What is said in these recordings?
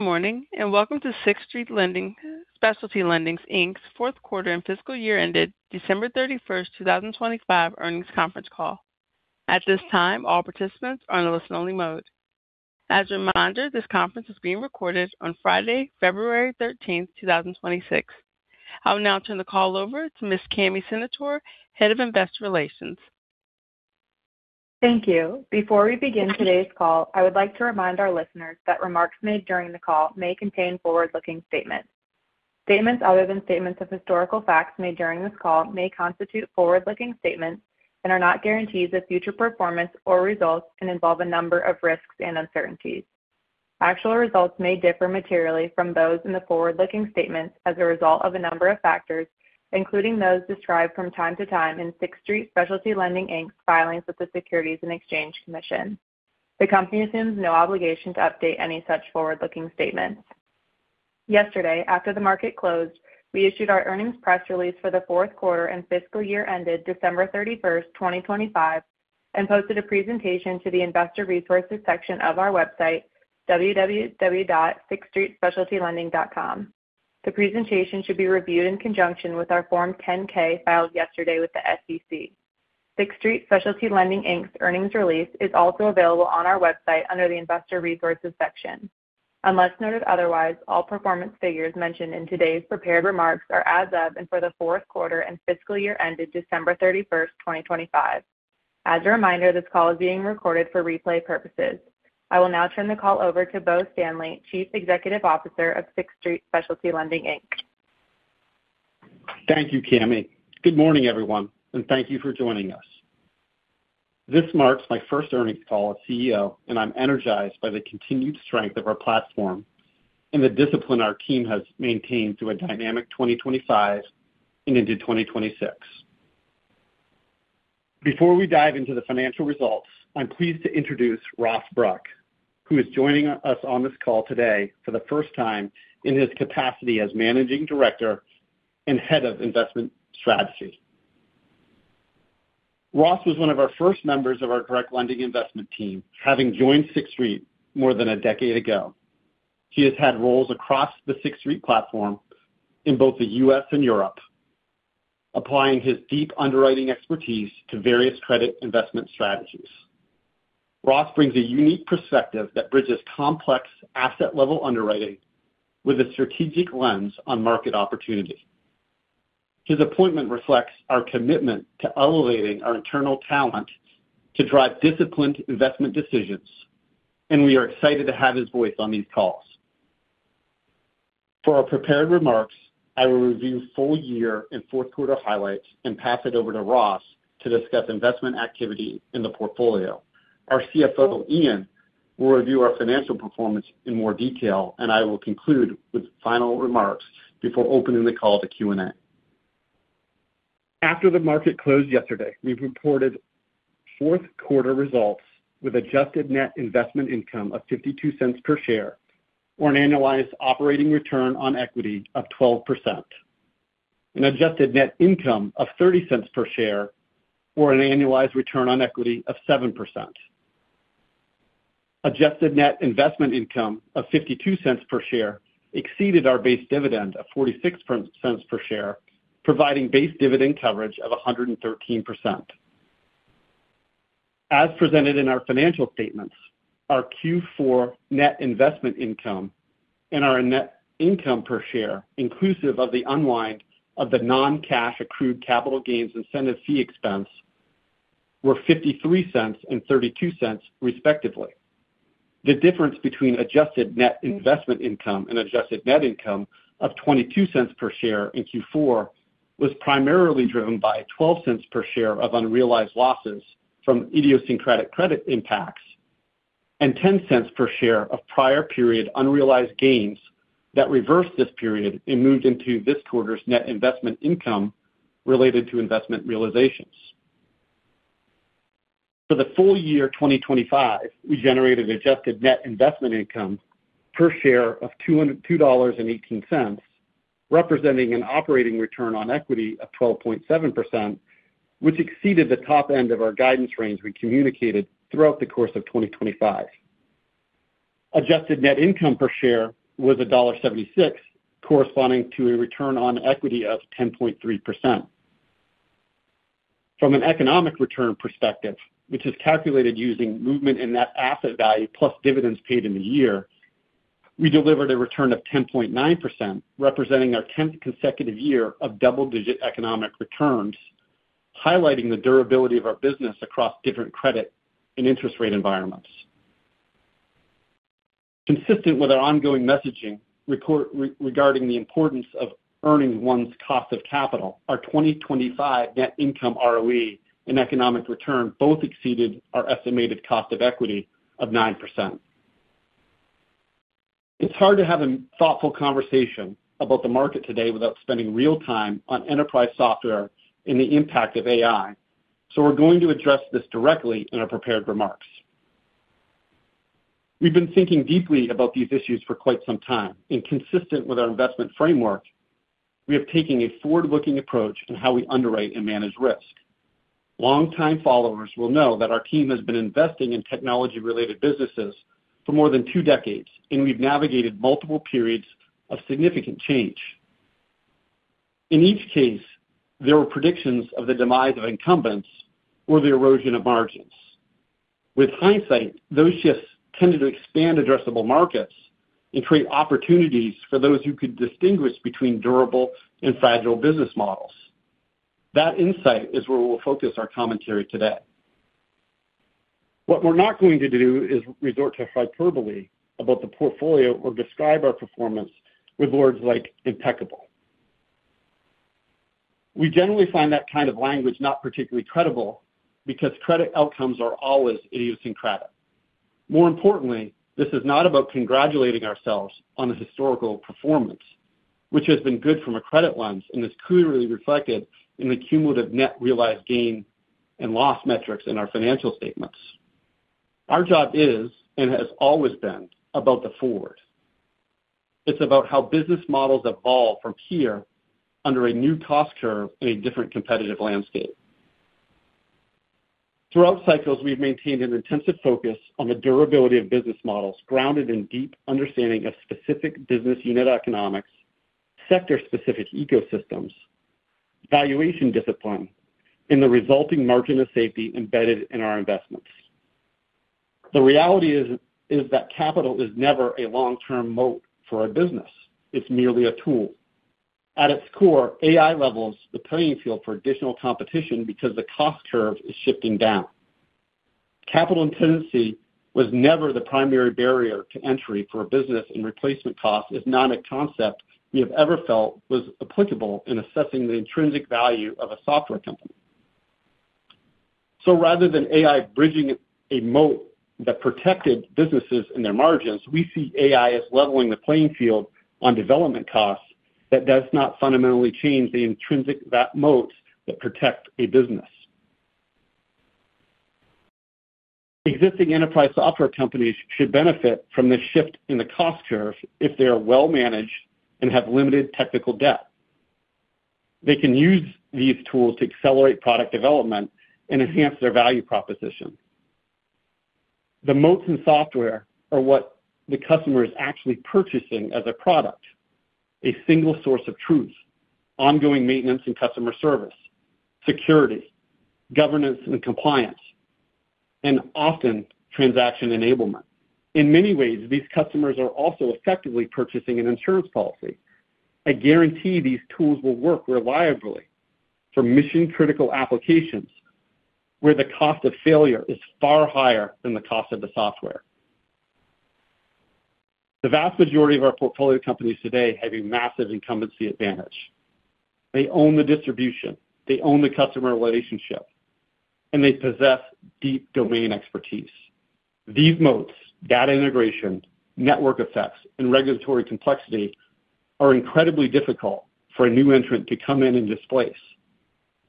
Good morning, and welcome to Sixth Street Specialty Lending, Inc.'s Fourth Quarter and Fiscal Year ended December 31, 2025, Earnings Conference Call. At this time, all participants are on a listen-only mode. As a reminder, this conference is being recorded on Friday, February 13, 2026. I will now turn the call over to Ms. Cami Senatore, Head of Investor Relations. Thank you. Before we begin today's call, I would like to remind our listeners that remarks made during the call may contain forward-looking statements. Statements other than statements of historical facts made during this call may constitute forward-looking statements and are not guarantees of future performance or results and involve a number of risks and uncertainties. Actual results may differ materially from those in the forward-looking statements as a result of a number of factors, including those described from time to time in Sixth Street Specialty Lending, Inc.'s filings with the Securities and Exchange Commission. The company assumes no obligation to update any such forward-looking statements. Yesterday, after the market closed, we issued our earnings press release for the fourth quarter and fiscal year ended December 31, 2025, and posted a presentation to the Investor Resources section of our website, www.sixthstreetspecialtylending.com. The presentation should be reviewed in conjunction with our Form 10-K, filed yesterday with the SEC. Sixth Street Specialty Lending, Inc.'s earnings release is also available on our website under the Investor Resources section. Unless noted otherwise, all performance figures mentioned in today's prepared remarks are as of and for the fourth quarter and fiscal year ended December 31, 2025. As a reminder, this call is being recorded for replay purposes. I will now turn the call over to Bo Stanley, Chief Executive Officer of Sixth Street Specialty Lending, Inc. Thank you, Cami. Good morning, everyone, and thank you for joining us. This marks my first earnings call as CEO, and I'm energized by the continued strength of our platform and the discipline our team has maintained through a dynamic 2025 and into 2026. Before we dive into the financial results, I'm pleased to introduce Ross Bruck, who is joining us on this call today for the first time in his capacity as Managing Director and Head of Investment Strategy. Ross was one of our first members of our direct lending investment team, having joined Sixth Street more than a decade ago. He has had roles across the Sixth Street platform in both the U.S. and Europe, applying his deep underwriting expertise to various credit investment strategies. Ross brings a unique perspective that bridges complex asset-level underwriting with a strategic lens on market opportunity. His appointment reflects our commitment to elevating our internal talent to drive disciplined investment decisions, and we are excited to have his voice on these calls. For our prepared remarks, I will review full year and fourth quarter highlights and pass it over to Ross to discuss investment activity in the portfolio. Our CFO, Ian, will review our financial performance in more detail, and I will conclude with final remarks before opening the call to Q&A. After the market closed yesterday, we reported fourth-quarter results with adjusted net investment income of $0.52 per share, or an annualized operating return on equity of 12%. An adjusted net income of $0.30 per share, or an annualized return on equity of 7%. Adjusted net investment income of $0.52 per share exceeded our base dividend of $0.46 per share, providing base dividend coverage of 113%. As presented in our financial statements, our Q4 net investment income and our net income per share, inclusive of the unwind of the non-cash accrued capital gains incentive fee expense, were $0.53 and $0.32, respectively. The difference between adjusted net investment income and adjusted net income of $0.22 per share in Q4 was primarily driven by $0.12 per share of unrealized losses from idiosyncratic credit impacts and $0.10 per share of prior period unrealized gains that reversed this period and moved into this quarter's net investment income related to investment realizations. For the full year 2025, we generated adjusted net investment income per share of $2.18, representing an operating return on equity of 12.7%, which exceeded the top end of our guidance range we communicated throughout the course of 2025. Adjusted net income per share was $1.76, corresponding to a return on equity of 10.3%. From an economic return perspective, which is calculated using movement in net asset value plus dividends paid in the year, we delivered a return of 10.9%, representing our 10th consecutive year of double-digit economic returns, highlighting the durability of our business across different credit and interest rate environments. Consistent with our ongoing messaging regarding the importance of earning one's cost of capital, our 2025 net income ROE and economic return both exceeded our estimated cost of equity of 9%. It's hard to have a thoughtful conversation about the market today without spending real time on enterprise software and the impact of AI. So we're going to address this directly in our prepared remarks. We've been thinking deeply about these issues for quite some time, and consistent with our investment framework, we have taken a forward-looking approach on how we underwrite and manage risk. Longtime followers will know that our team has been investing in technology-related businesses for more than two decades, and we've navigated multiple periods of significant change. In each case, there were predictions of the demise of incumbents or the erosion of margins. With hindsight, those shifts tended to expand addressable markets and create opportunities for those who could distinguish between durable and fragile business models. That insight is where we'll focus our commentary today. What we're not going to do is resort to hyperbole about the portfolio or describe our performance with words like impeccable. We generally find that kind of language not particularly credible, because credit outcomes are always idiosyncratic. More importantly, this is not about congratulating ourselves on a historical performance, which has been good from a credit lens and is clearly reflected in the cumulative net realized gain and loss metrics in our financial statements. Our job is, and has always been, about the forward. It's about how business models evolve from here under a new cost curve in a different competitive landscape. Throughout cycles, we've maintained an intensive focus on the durability of business models, grounded in deep understanding of specific business unit economics, sector-specific ecosystems, valuation discipline, and the resulting margin of safety embedded in our investments. The reality is, is that capital is never a long-term moat for a business. It's merely a tool. At its core, AI levels the playing field for additional competition because the cost curve is shifting down. Capital intensity was never the primary barrier to entry for a business, and replacement cost is not a concept we have ever felt was applicable in assessing the intrinsic value of a software company. So rather than AI bridging a moat that protected businesses and their margins, we see AI as leveling the playing field on development costs that does not fundamentally change the intrinsic moat that protect a business. Existing enterprise software companies should benefit from this shift in the cost curve if they are well managed and have limited technical debt. They can use these tools to accelerate product development and enhance their value proposition. The moats in software are what the customer is actually purchasing as a product, a single source of truth, ongoing maintenance and customer service, security, governance and compliance, and often transaction enablement. In many ways, these customers are also effectively purchasing an insurance policy. I guarantee these tools will work reliably for mission-critical applications, where the cost of failure is far higher than the cost of the software. The vast majority of our portfolio companies today have a massive incumbency advantage. They own the distribution, they own the customer relationship, and they possess deep domain expertise. These moats, data integration, network effects, and regulatory complexity, are incredibly difficult for a new entrant to come in and displace,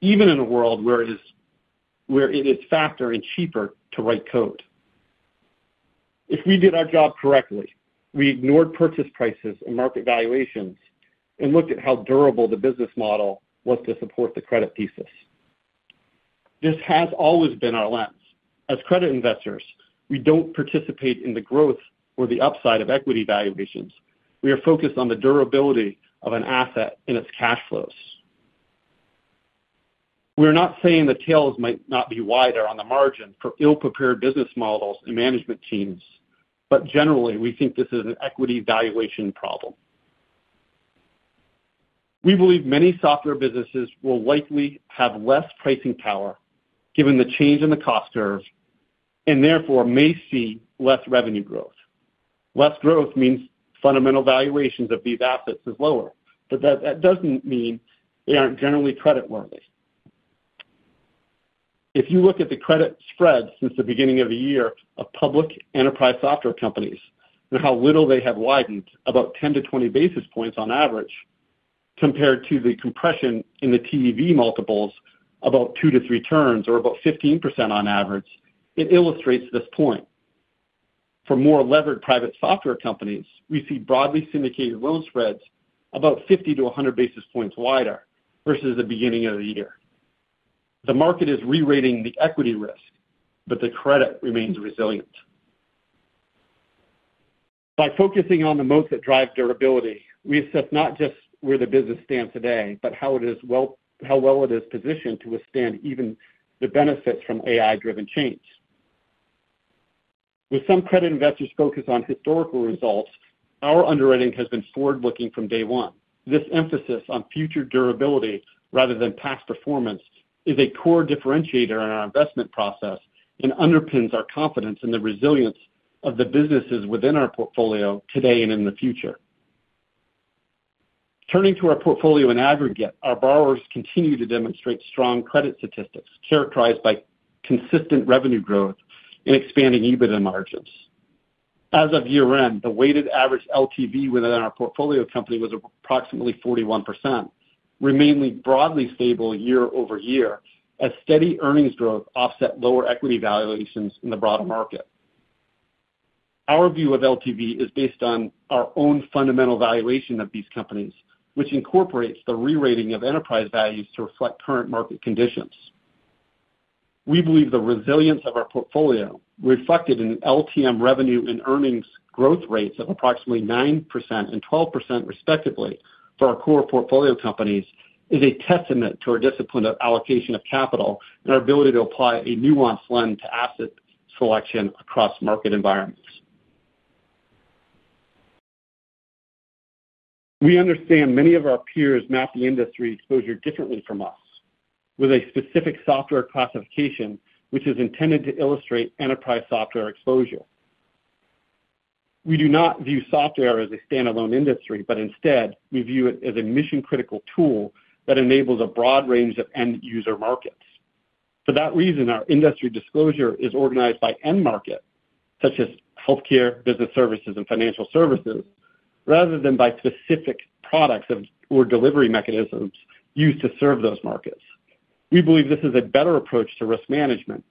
even in a world where it is faster and cheaper to write code. If we did our job correctly, we ignored purchase prices and market valuations and looked at how durable the business model was to support the credit thesis. This has always been our lens. As credit investors, we don't participate in the growth or the upside of equity valuations. We are focused on the durability of an asset and its cash flows. We're not saying the tails might not be wider on the margin for ill-prepared business models and management teams, but generally, we think this is an equity valuation problem. We believe many software businesses will likely have less pricing power, given the change in the cost curve, and therefore may see less revenue growth. Less growth means fundamental valuations of these assets is lower, but that doesn't mean they aren't generally creditworthy. If you look at the credit spread since the beginning of the year of public enterprise software companies and how little they have widened, about 10-20 basis points on average, compared to the compression in the TEV multiples, about 2-3 turns or about 15% on average, it illustrates this point. For more levered private software companies, we see broadly syndicated loan spreads about 50-100 basis points wider versus the beginning of the year. The market is rerating the equity risk, but the credit remains resilient. By focusing on the moats that drive durability, we assess not just where the business stands today, but how well it is positioned to withstand even the benefits from AI-driven change. With some credit investors focused on historical results, our underwriting has been forward-looking from day one. This emphasis on future durability rather than past performance is a core differentiator in our investment process and underpins our confidence in the resilience of the businesses within our portfolio today and in the future. Turning to our portfolio in aggregate, our borrowers continue to demonstrate strong credit statistics, characterized by consistent revenue growth and expanding EBITDA margins. As of year-end, the weighted average LTV within our portfolio company was approximately 41%, remaining broadly stable year-over-year, as steady earnings growth offset lower equity valuations in the broader market. Our view of LTV is based on our own fundamental valuation of these companies, which incorporates the re-rating of enterprise values to reflect current market conditions. We believe the resilience of our portfolio, reflected in LTM revenue and earnings growth rates of approximately 9% and 12%, respectively, for our core portfolio companies, is a testament to our discipline of allocation of capital and our ability to apply a nuanced lens to asset selection across market environments. We understand many of our peers map the industry exposure differently from us, with a specific software classification, which is intended to illustrate enterprise software exposure. We do not view software as a standalone industry, but instead we view it as a mission-critical tool that enables a broad range of end user markets. For that reason, our industry disclosure is organized by end market, such as healthcare, business services, and financial services, rather than by specific products of or delivery mechanisms used to serve those markets. We believe this is a better approach to risk management,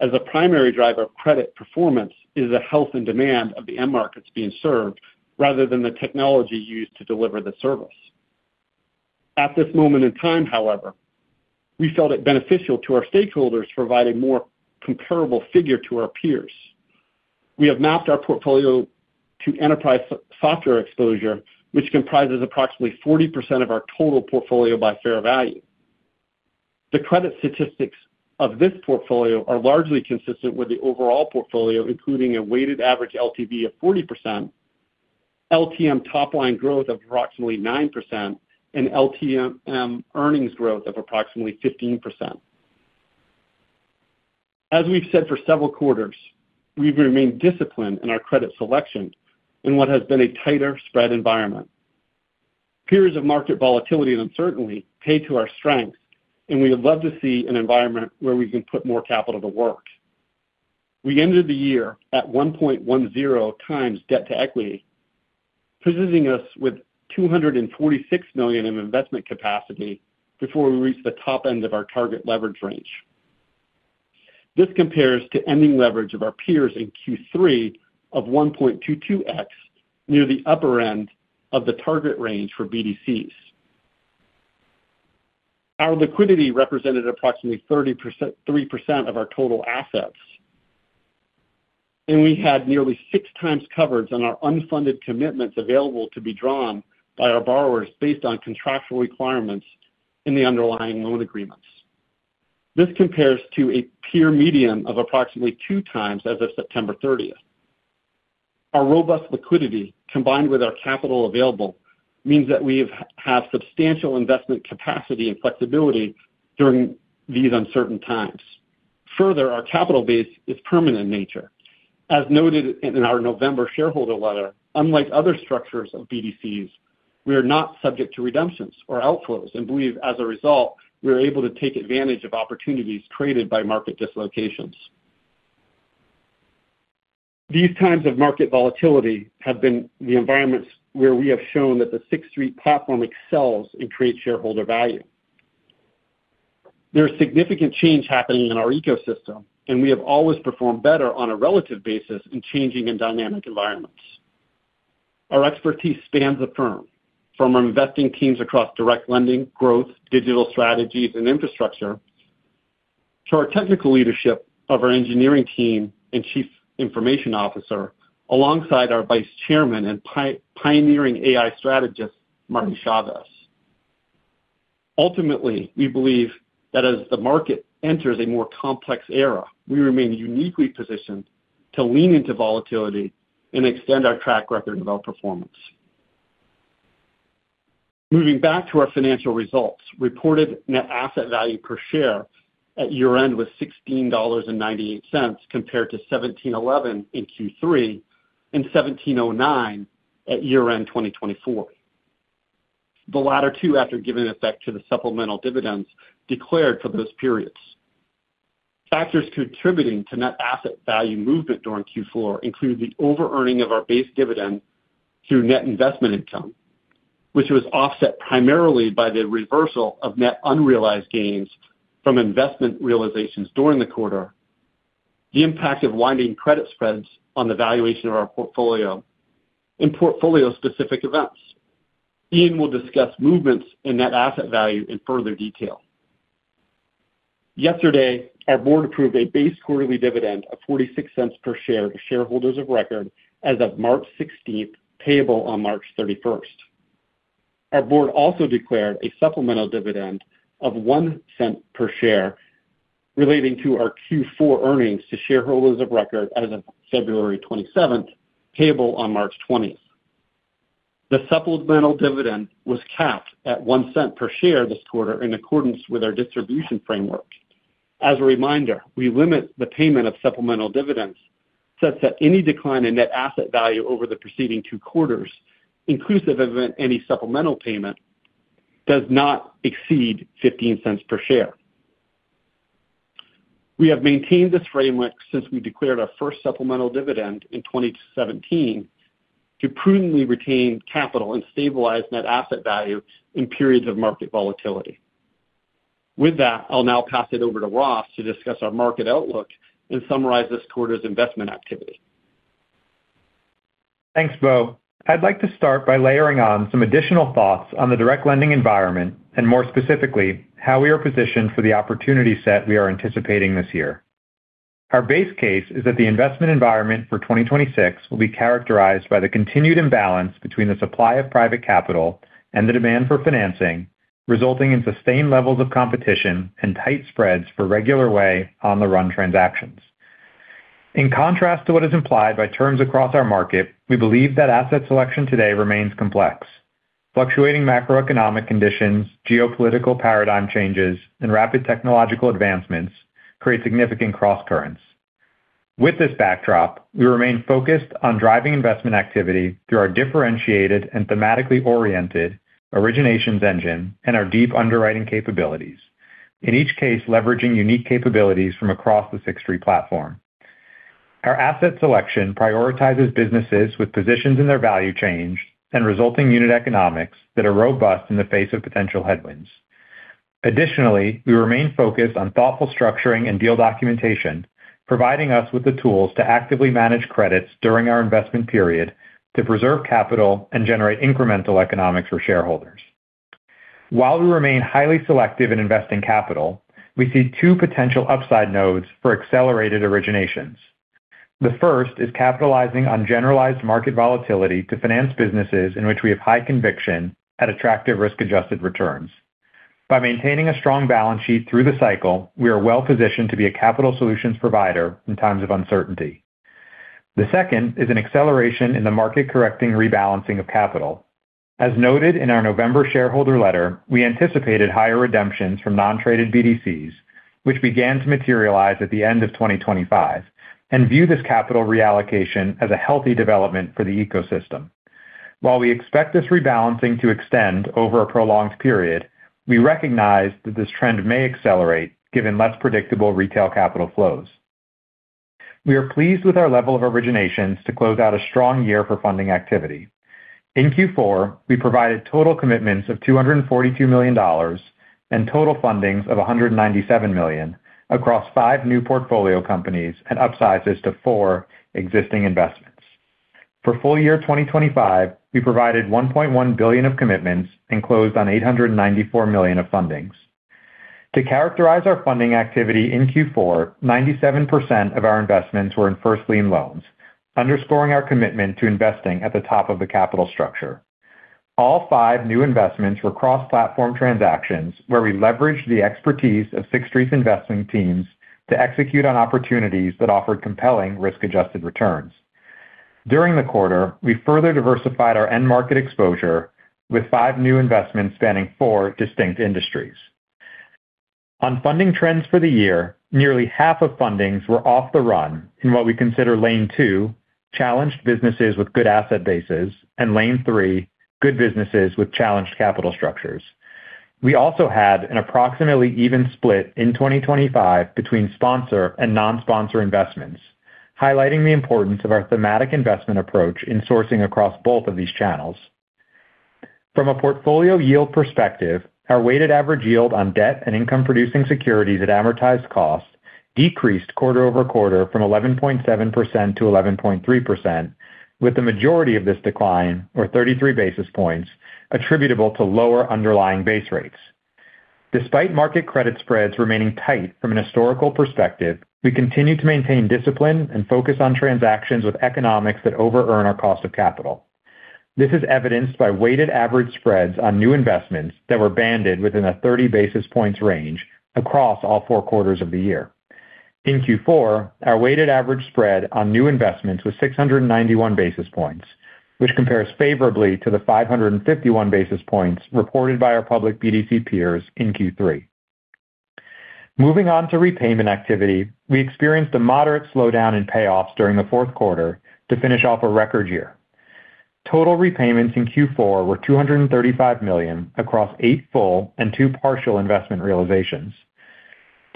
as a primary driver of credit performance is the health and demand of the end markets being served, rather than the technology used to deliver the service. At this moment in time, however, we felt it beneficial to our stakeholders to provide a more comparable figure to our peers. We have mapped our portfolio to enterprise software exposure, which comprises approximately 40% of our total portfolio by fair value. The credit statistics of this portfolio are largely consistent with the overall portfolio, including a weighted average LTV of 40%, LTM top-line growth of approximately 9%, and LTM earnings growth of approximately 15%. As we've said for several quarters, we've remained disciplined in our credit selection in what has been a tighter spread environment. Periods of market volatility and uncertainty play to our strengths, and we would love to see an environment where we can put more capital to work. We ended the year at 1.10x debt to equity, positioning us with $246 million in investment capacity before we reach the top end of our target leverage range. This compares to ending leverage of our peers in Q3 of 1.22x, near the upper end of the target range for BDCs. Our liquidity represented approximately 33% of our total assets, and we had nearly 6 times coverage on our unfunded commitments available to be drawn by our borrowers based on contractual requirements in the underlying loan agreements. This compares to a peer median of approximately 2x as of September thirtieth. Our robust liquidity, combined with our capital available, means that we have substantial investment capacity and flexibility during these uncertain times. Further, our capital base is permanent in nature. As noted in our November shareholder letter, unlike other structures of BDCs, we are not subject to redemptions or outflows and believe, as a result, we are able to take advantage of opportunities created by market dislocations. These times of market volatility have been the environments where we have shown that the Sixth Street platform excels and creates shareholder value. There is significant change happening in our ecosystem, and we have always performed better on a relative basis in changing and dynamic environments. Our expertise spans the firm, from our investing teams across direct lending, growth, digital strategies, and infrastructure, to our technical leadership of our engineering team and chief information officer, alongside our vice chairman and pioneering AI strategist, Marty Chavez. Ultimately, we believe that as the market enters a more complex era, we remain uniquely positioned to lean into volatility and extend our track record of outperformance. Moving back to our financial results, reported net asset value per share at year-end was $16.98, compared to $17.11 in Q3 and $17.09 at year-end 2024. The latter two, after giving effect to the supplemental dividends declared for those periods. Factors contributing to net asset value movement during Q4 include the overearning of our base dividend through net investment income, which was offset primarily by the reversal of net unrealized gains from investment realizations during the quarter, the impact of widening credit spreads on the valuation of our portfolio, and portfolio-specific events. Ian will discuss movements in net asset value in further detail. Yesterday, our board approved a base quarterly dividend of $0.46 per share to shareholders of record as of March 16, payable on March 31. Our board also declared a supplemental dividend of $0.01 per share relating to our Q4 earnings to shareholders of record as of February 27, payable on March 20. The supplemental dividend was capped at $0.01 per share this quarter in accordance with our distribution framework. As a reminder, we limit the payment of supplemental dividends such that any decline in net asset value over the preceding 2 quarters, inclusive of any supplemental payment, does not exceed $0.15 per share. We have maintained this framework since we declared our first supplemental dividend in 2017 to prudently retain capital and stabilize net asset value in periods of market volatility. With that, I'll now pass it over to Ross to discuss our market outlook and summarize this quarter's investment activity. Thanks, Bo. I'd like to start by layering on some additional thoughts on the direct lending environment, and more specifically, how we are positioned for the opportunity set we are anticipating this year. Our base case is that the investment environment for 2026 will be characterized by the continued imbalance between the supply of private capital and the demand for financing, resulting in sustained levels of competition and tight spreads for regular way on-the-run transactions. In contrast to what is implied by terms across our market, we believe that asset selection today remains complex. Fluctuating macroeconomic conditions, geopolitical paradigm changes, and rapid technological advancements create significant crosscurrents. With this backdrop, we remain focused on driving investment activity through our differentiated and thematically oriented originations engine and our deep underwriting capabilities, in each case, leveraging unique capabilities from across the Sixth Street platform. Our asset selection prioritizes businesses with positions in their value chains and resulting unit economics that are robust in the face of potential headwinds. Additionally, we remain focused on thoughtful structuring and deal documentation, providing us with the tools to actively manage credits during our investment period to preserve capital and generate incremental economics for shareholders. While we remain highly selective in investing capital, we see two potential upside nodes for accelerated originations. The first is capitalizing on generalized market volatility to finance businesses in which we have high conviction at attractive risk-adjusted returns. By maintaining a strong balance sheet through the cycle, we are well-positioned to be a capital solutions provider in times of uncertainty. The second is an acceleration in the market correcting rebalancing of capital. As noted in our November shareholder letter, we anticipated higher redemptions from non-traded BDCs, which began to materialize at the end of 2025, and view this capital reallocation as a healthy development for the ecosystem. While we expect this rebalancing to extend over a prolonged period, we recognize that this trend may accelerate, given less predictable retail capital flows. We are pleased with our level of originations to close out a strong year for funding activity. In Q4, we provided total commitments of $242 million and total fundings of $197 million across five new portfolio companies and upsizes to four existing investments. For full year 2025, we provided $1.1 billion of commitments and closed on $894 million of fundings. To characterize our funding activity in Q4, 97% of our investments were in first lien loans, underscoring our commitment to investing at the top of the capital structure. All five new investments were cross-platform transactions, where we leveraged the expertise of Sixth Street's investing teams to execute on opportunities that offered compelling risk-adjusted returns. During the quarter, we further diversified our end market exposure with five new investments spanning four distinct industries. On funding trends for the year, nearly half of fundings were off the run in what we consider lane two, challenged businesses with good asset bases, and lane three, good businesses with challenged capital structures. We also had an approximately even split in 2025 between sponsor and non-sponsor investments, highlighting the importance of our thematic investment approach in sourcing across both of these channels. From a portfolio yield perspective, our weighted average yield on debt and income-producing securities at amortized cost decreased quarter-over-quarter from 11.7%-11.3%, with the majority of this decline, or 33 basis points, attributable to lower underlying base rates. Despite market credit spreads remaining tight from an historical perspective, we continue to maintain discipline and focus on transactions with economics that overearn our cost of capital. This is evidenced by weighted average spreads on new investments that were banded within a 30 basis points range across all four quarters of the year. In Q4, our weighted average spread on new investments was 691 basis points, which compares favorably to the 551 basis points reported by our public BDC peers in Q3. Moving on to repayment activity, we experienced a moderate slowdown in payoffs during the fourth quarter to finish off a record year. Total repayments in Q4 were $235 million across eight full and two partial investment realizations.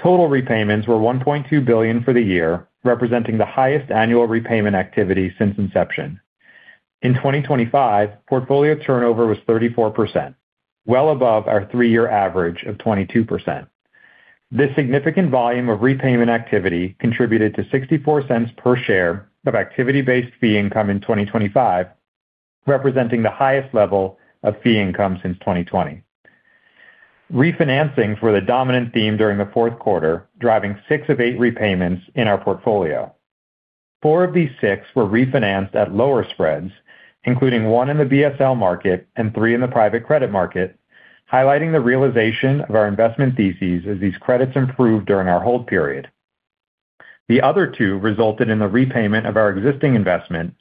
Total repayments were $1.2 billion for the year, representing the highest annual repayment activity since inception. In 2025, portfolio turnover was 34%, well above our three-year average of 22%. This significant volume of repayment activity contributed to $0.64 per share of activity-based fee income in 2025, representing the highest level of fee income since 2020. Refinancings were the dominant theme during the fourth quarter, driving six of eight repayments in our portfolio. Four of these six were refinanced at lower spreads, including one in the BSL market and three in the private credit market, highlighting the realization of our investment theses as these credits improved during our hold period. The other two resulted in the repayment of our existing investment,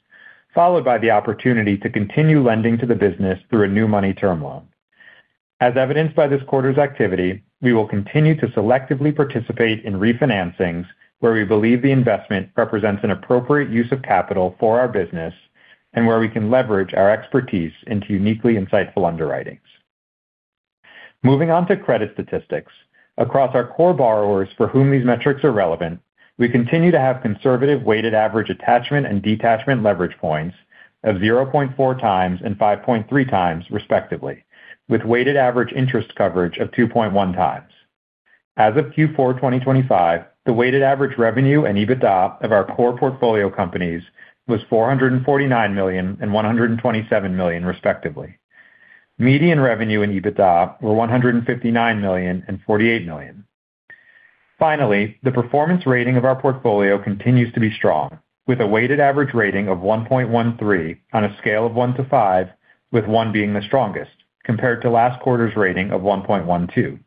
followed by the opportunity to continue lending to the business through a new money term loan. As evidenced by this quarter's activity, we will continue to selectively participate in refinancings where we believe the investment represents an appropriate use of capital for our business and where we can leverage our expertise into uniquely insightful underwritings. Moving on to credit statistics. Across our core borrowers for whom these metrics are relevant. We continue to have conservative weighted average attachment and detachment leverage points of 0.4x and 5.3x, respectively, with weighted average interest coverage of 2.1x. As of Q4 2025, the weighted average revenue and EBITDA of our core portfolio companies was $449 million and $127 million, respectively. Median revenue and EBITDA were $159 million and $48 million. Finally, the performance rating of our portfolio continues to be strong, with a weighted average rating of 1.13 on a scale of 1 to 5, with one being the strongest, compared to last quarter's rating of 1.12.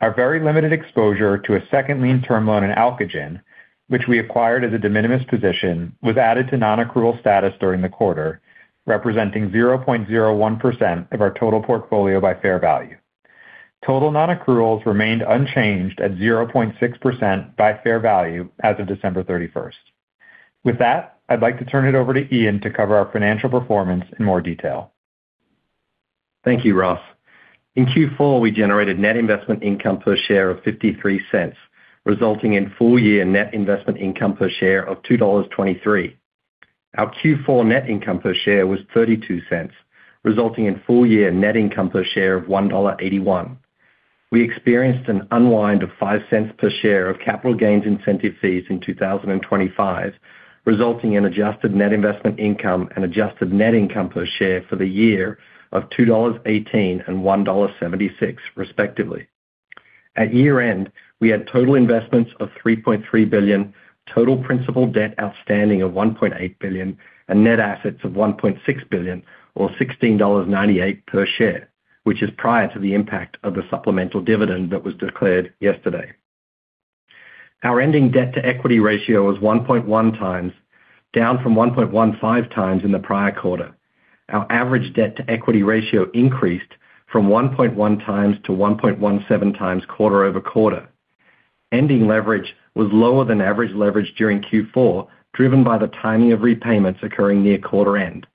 Our very limited exposure to a second lien term loan in Alkegen, which we acquired as a de minimis position, was added to non-accrual status during the quarter, representing 0.01% of our total portfolio by fair value. Total non-accruals remained unchanged at 0.6% by fair value as of December 31. With that, I'd like to turn it over to Ian to cover our financial performance in more detail. Thank you, Ross. In Q4, we generated net investment income per share of $0.53, resulting in full-year net investment income per share of $2.23. Our Q4 net income per share was $0.32, resulting in full-year net income per share of $1.81. We experienced an unwind of $0.05 per share of capital gains incentive fees in 2025, resulting in adjusted net investment income and adjusted net income per share for the year of $2.18 and $1.76, respectively. At year-end, we had total investments of $3.3 billion, total principal debt outstanding of $1.8 billion, and net assets of $1.6 billion or $16.98 per share, which is prior to the impact of the supplemental dividend that was declared yesterday. Our ending debt-to-equity ratio was 1.1x, down from 1.15x in the prior quarter. Our average debt-to-equity ratio increased from 1.1x-1.17x quarter-over-quarter. Ending leverage was lower than average leverage during Q4, driven by the timing of repayments occurring near quarter end.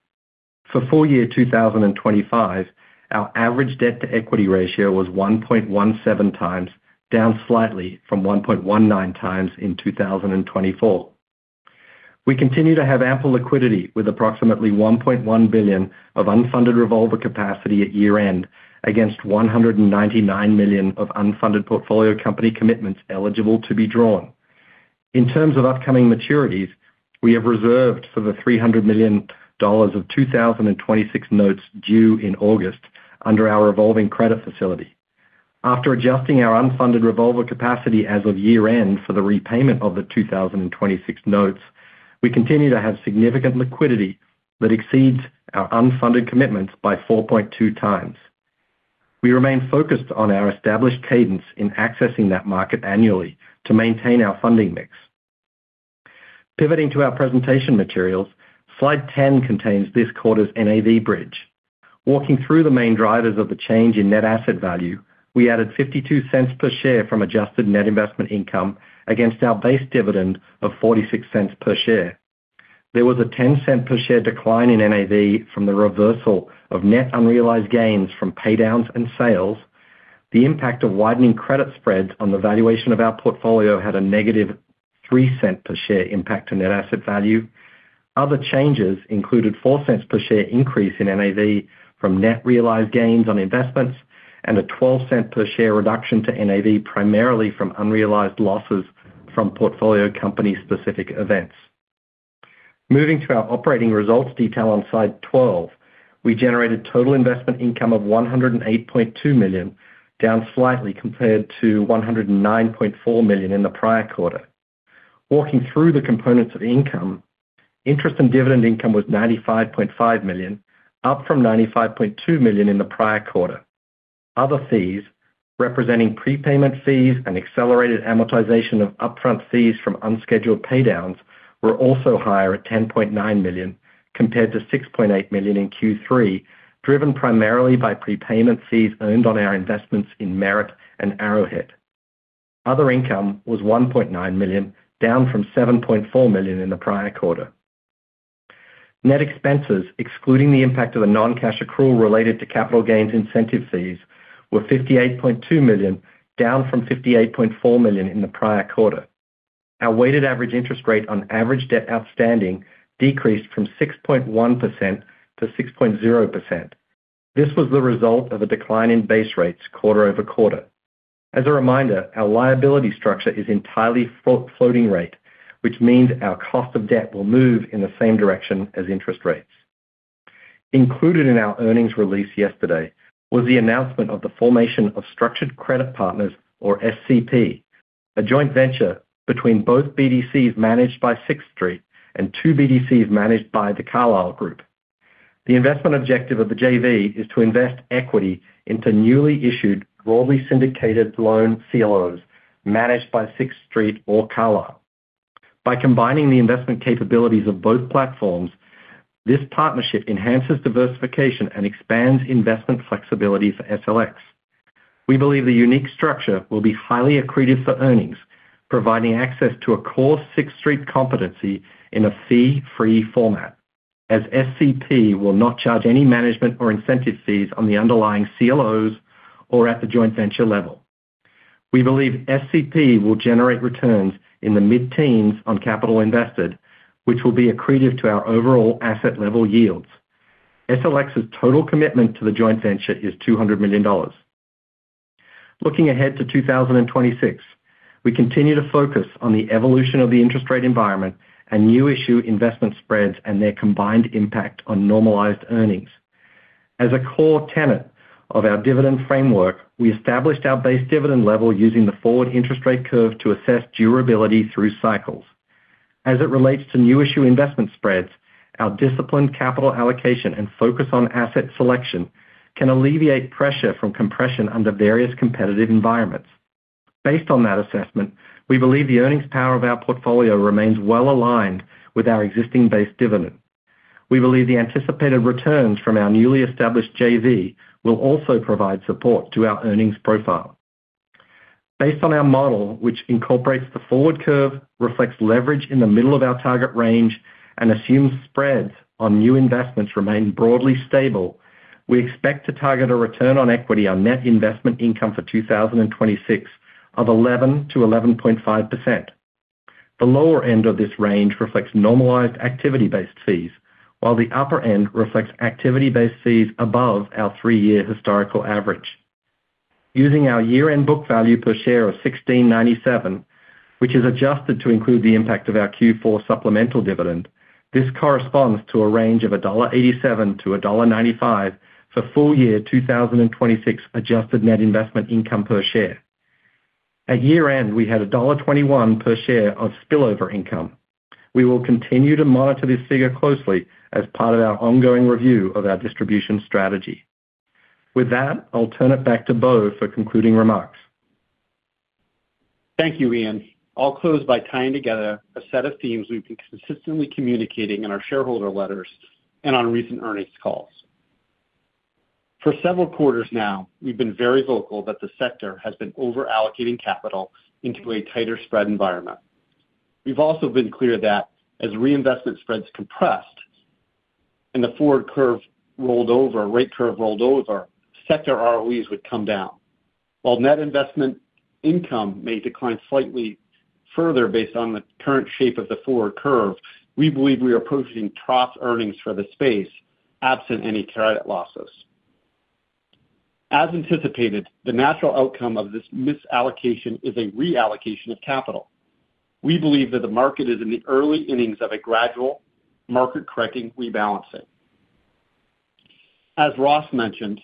For full year 2025, our average debt-to-equity ratio was 1.17x, down slightly from 1.19x in 2024. We continue to have ample liquidity, with approximately $1.1 billion of unfunded revolver capacity at year-end, against $199 million of unfunded portfolio company commitments eligible to be drawn. In terms of upcoming maturities, we have reserved for the $300 million of 2026 notes due in August under our revolving credit facility. After adjusting our unfunded revolver capacity as of year-end for the repayment of the 2026 notes, we continue to have significant liquidity that exceeds our unfunded commitments by 4.2x. We remain focused on our established cadence in accessing that market annually to maintain our funding mix. Pivoting to our presentation materials, slide 10 contains this quarter's NAV bridge. Walking through the main drivers of the change in net asset value, we added $0.52 per share from adjusted net investment income against our base dividend of $0.46 per share. There was a $0.10 per share decline in NAV from the reversal of net unrealized gains from paydowns and sales. The impact of widening credit spreads on the valuation of our portfolio had a negative $0.03 per share impact to net asset value. Other changes included $0.04 per share increase in NAV from net realized gains on investments, and a $0.12 per share reduction to NAV, primarily from unrealized losses from portfolio company-specific events. Moving to our operating results detail on slide 12. We generated total investment income of $108.2 million, down slightly compared to $109.4 million in the prior quarter. Walking through the components of income, interest and dividend income was $95.5 million, up from $95.2 million in the prior quarter. Other fees, representing prepayment fees and accelerated amortization of upfront fees from unscheduled paydowns, were also higher at $10.9 million, compared to $6.8 million in Q3, driven primarily by prepayment fees earned on our investments in Merit and Arrowhead. Other income was $1.9 million, down from $7.4 million in the prior quarter. Net expenses, excluding the impact of a non-cash accrual related to capital gains incentive fees, were $58.2 million, down from $58.4 million in the prior quarter. Our weighted average interest rate on average debt outstanding decreased from 6.1%-6.0%. This was the result of a decline in base rates quarter-over-quarter. As a reminder, our liability structure is entirely float, floating rate, which means our cost of debt will move in the same direction as interest rates. Included in our earnings release yesterday was the announcement of the formation of Structured Credit Partners, or SCP, a joint venture between both BDCs managed by Sixth Street and two BDCs managed by The Carlyle Group. The investment objective of the JV is to invest equity into newly issued, broadly syndicated loan CLOs managed by Sixth Street or Carlyle. By combining the investment capabilities of both platforms, this partnership enhances diversification and expands investment flexibility for TSLX. We believe the unique structure will be highly accretive for earnings, providing access to a core Sixth Street competency in a fee-free format, as SCP will not charge any management or incentive fees on the underlying CLOs or at the joint venture level. We believe SCP will generate returns in the mid-teens on capital invested, which will be accretive to our overall asset level yields. TSLX's total commitment to the joint venture is $200 million. Looking ahead to 2026, we continue to focus on the evolution of the interest rate environment and new issue investment spreads and their combined impact on normalized earnings. As a core tenet of our dividend framework, we established our base dividend level using the forward interest rate curve to assess durability through cycles. As it relates to new issue investment spreads, our disciplined capital allocation and focus on asset selection can alleviate pressure from compression under various competitive environments. Based on that assessment, we believe the earnings power of our portfolio remains well aligned with our existing base dividend. We believe the anticipated returns from our newly established JV will also provide support to our earnings profile. Based on our model, which incorporates the forward curve, reflects leverage in the middle of our target range, and assumes spreads on new investments remain broadly stable, we expect to target a return on equity on net investment income for 2026 of 11%-11.5%. The lower end of this range reflects normalized activity-based fees, while the upper end reflects activity-based fees above our three-year historical average. Using our year-end book value per share of $16.97, which is adjusted to include the impact of our Q4 supplemental dividend, this corresponds to a range of $1.87-$1.95 for full year 2026 adjusted net investment income per share. At year-end, we had $1.21 per share of spillover income. We will continue to monitor this figure closely as part of our ongoing review of our distribution strategy. With that, I'll turn it back to Bo for concluding remarks. Thank you, Ian. I'll close by tying together a set of themes we've been consistently communicating in our shareholder letters and on recent earnings calls. For several quarters now, we've been very vocal that the sector has been over allocating capital into a tighter spread environment. We've also been clear that as reinvestment spreads compressed and the forward curve rolled over, rate curve rolled over, sector ROEs would come down. While net investment income may decline slightly further based on the current shape of the forward curve, we believe we are approaching trough earnings for the space absent any credit losses. As anticipated, the natural outcome of this misallocation is a reallocation of capital. We believe that the market is in the early innings of a gradual market-correcting rebalancing. As Ross mentioned,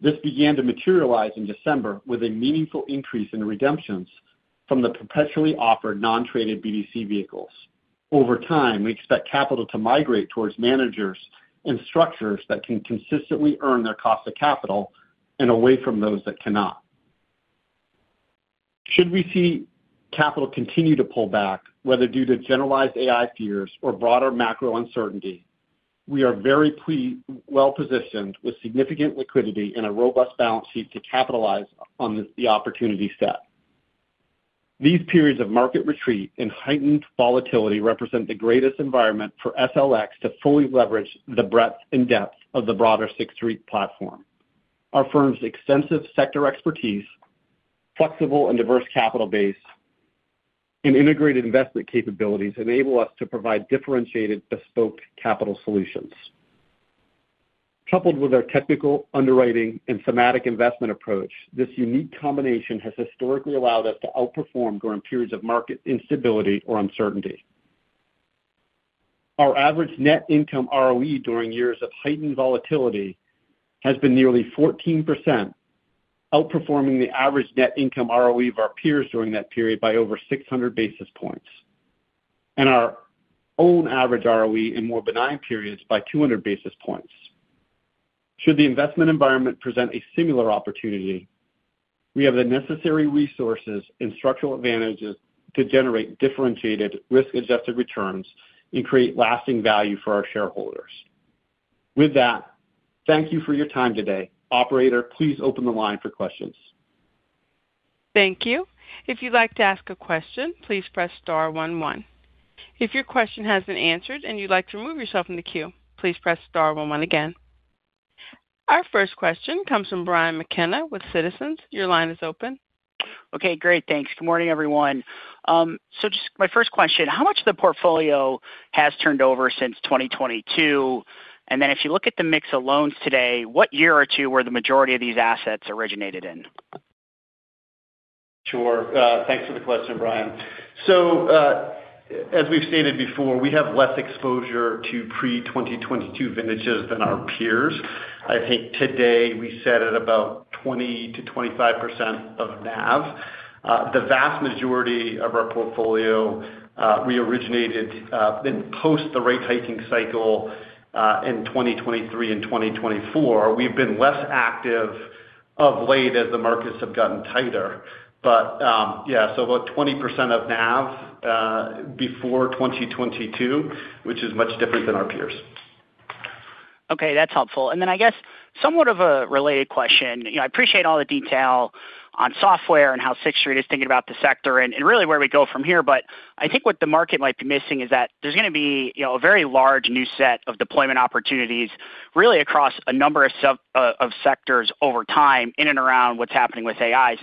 this began to materialize in December with a meaningful increase in redemptions from the perpetually offered non-traded BDC vehicles. Over time, we expect capital to migrate towards managers and structures that can consistently earn their cost of capital and away from those that cannot. Should we see capital continue to pull back, whether due to generalized AI fears or broader macro uncertainty, we are very well-positioned with significant liquidity and a robust balance sheet to capitalize on this, the opportunity set. These periods of market retreat and heightened volatility represent the greatest environment for TSLX to fully leverage the breadth and depth of the broader Sixth Street platform. Our firm's extensive sector expertise, flexible and diverse capital base, and integrated investment capabilities enable us to provide differentiated, bespoke capital solutions. Coupled with our technical underwriting and thematic investment approach, this unique combination has historically allowed us to outperform during periods of market instability or uncertainty. Our average net income ROE during years of heightened volatility has been nearly 14%, outperforming the average net income ROE of our peers during that period by over 600 basis points, and our own average ROE in more benign periods by 200 basis points. Should the investment environment present a similar opportunity, we have the necessary resources and structural advantages to generate differentiated risk-adjusted returns and create lasting value for our shareholders. With that, thank you for your time today. Operator, please open the line for questions. Thank you. If you'd like to ask a question, please press star one one. If your question has been answered and you'd like to remove yourself from the queue, please press star one one again. Our first question comes from Brian McKenna with Citizens. Your line is open. Okay, great. Thanks. Good morning, everyone. So just my first question: How much of the portfolio has turned over since 2022? And then if you look at the mix of loans today, what year or two were the majority of these assets originated in? Sure. Thanks for the question, Brian. So, as we've stated before, we have less exposure to pre-2022 vintages than our peers. I think today we sat at about 20%-25% of NAV. The vast majority of our portfolio, we originated, in post the rate hiking cycle, in 2023 and 2024. We've been less active of late as the markets have gotten tighter. But, yeah, so about 20% of NAV, before 2022, which is much different than our peers. Okay, that's helpful. Then I guess somewhat of a related question. You know, I appreciate all the detail on software and how Sixth Street is thinking about the sector and really where we go from here. But I think what the market might be missing is that there's gonna be, you know, a very large new set of deployment opportunities, really across a number of subsectors over time, in and around what's happening with AIs.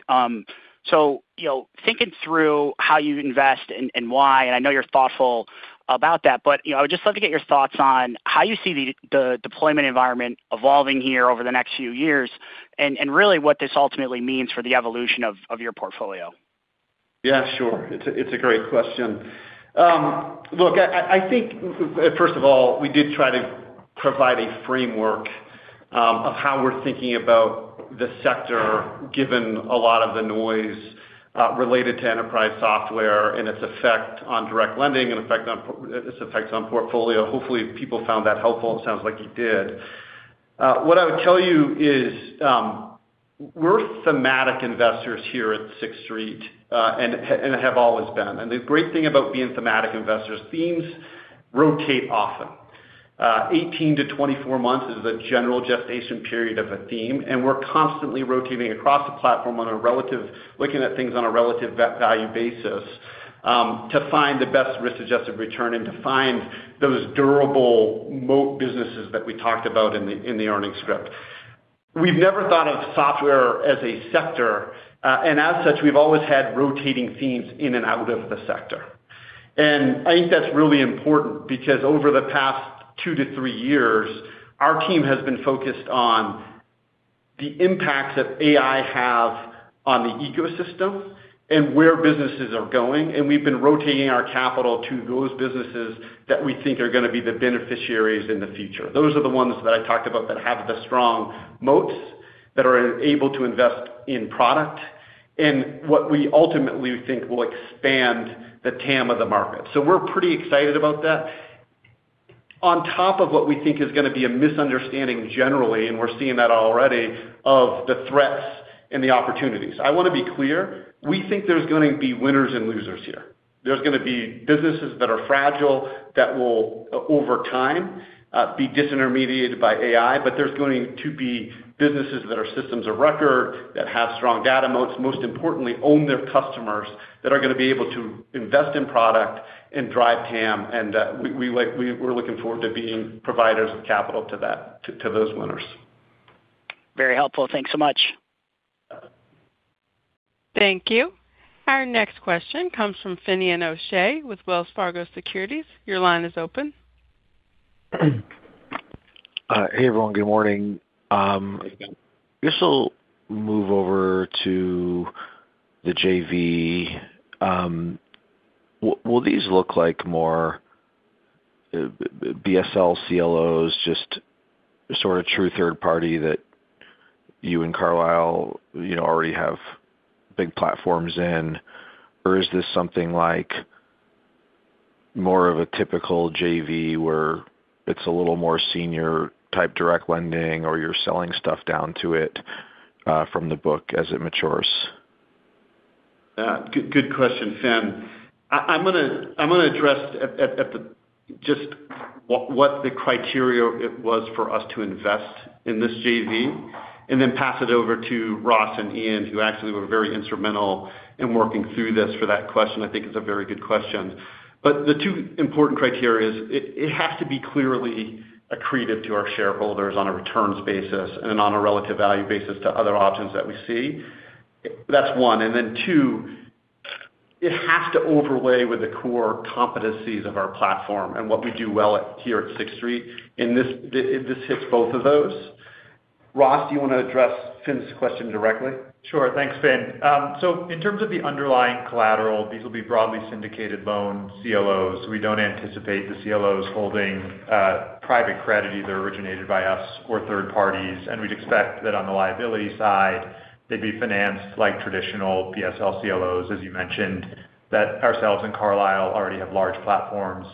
So, you know, thinking through how you invest and why, and I know you're thoughtful about that, but, you know, I would just love to get your thoughts on how you see the deployment environment evolving here over the next few years, and really what this ultimately means for the evolution of your portfolio. Yeah, sure. It's a great question. Look, I think, first of all, we did try to provide a framework of how we're thinking about the sector, given a lot of the noise related to enterprise software and its effect on direct lending and its effects on portfolio. Hopefully, people found that helpful. It sounds like you did. What I would tell you is, we're thematic investors here at Sixth Street, and have always been. The great thing about being thematic investors, themes rotate often. 18-24 months is the general gestation period of a theme, and we're constantly rotating across the platform on a relative value basis to find the best risk-adjusted return and to find those durable moat businesses that we talked about in the earnings script. We've never thought of software as a sector, and as such, we've always had rotating themes in and out of the sector. And I think that's really important because over the past 2-3 years, our team has been focused on the impact that AI have on the ecosystem and where businesses are going, and we've been rotating our capital to those businesses that we think are gonna be the beneficiaries in the future. Those are the ones that I talked about that have the strong moats, that are able to invest in product, and what we ultimately think will expand the TAM of the market. So we're pretty excited about that. On top of what we think is gonna be a misunderstanding generally, and we're seeing that already, of the threats and the opportunities. I wanna be clear, we think there's gonna be winners and losers here. There's gonna be businesses that are fragile, that will, over time, be disintermediated by AI, but there's going to be businesses that are systems of record, that have strong data moats, most importantly, own their customers, that are gonna be able to invest in product and drive TAM, and, we're looking forward to being providers of capital to that, to those winners. Very helpful. Thanks so much. Thank you. Our next question comes from Finian O'Shea with Wells Fargo Securities. Your line is open. Hey, everyone. Good morning. This will move over to the JV. Will these look like more BSL CLOs, just sort of true third party that you and Carlyle, you know, already have big platforms in? Or is this something like more of a typical JV, where it's a little more senior type direct lending, or you're selling stuff down to it from the book as it matures? Good question, Finn. I'm gonna address just what the criteria was for us to invest in this JV, and then pass it over to Ross and Ian, who actually were very instrumental in working through this for that question. I think it's a very good question. But the two important criteria is it has to be clearly accretive to our shareholders on a returns basis and on a relative value basis to other options that we see. That's one, and then two, it has to overlay with the core competencies of our platform and what we do well at, here at Sixth Street. And this hits both of those. Ross, do you wanna address Finn's question directly? Sure. Thanks, Finn. So in terms of the underlying collateral, these will be broadly syndicated loans, CLOs. We don't anticipate the CLOs holding private credit either originated by us or third parties, and we'd expect that on the liability side, they'd be financed like traditional BSL CLOs, as you mentioned, that ourselves and Carlyle already have large platforms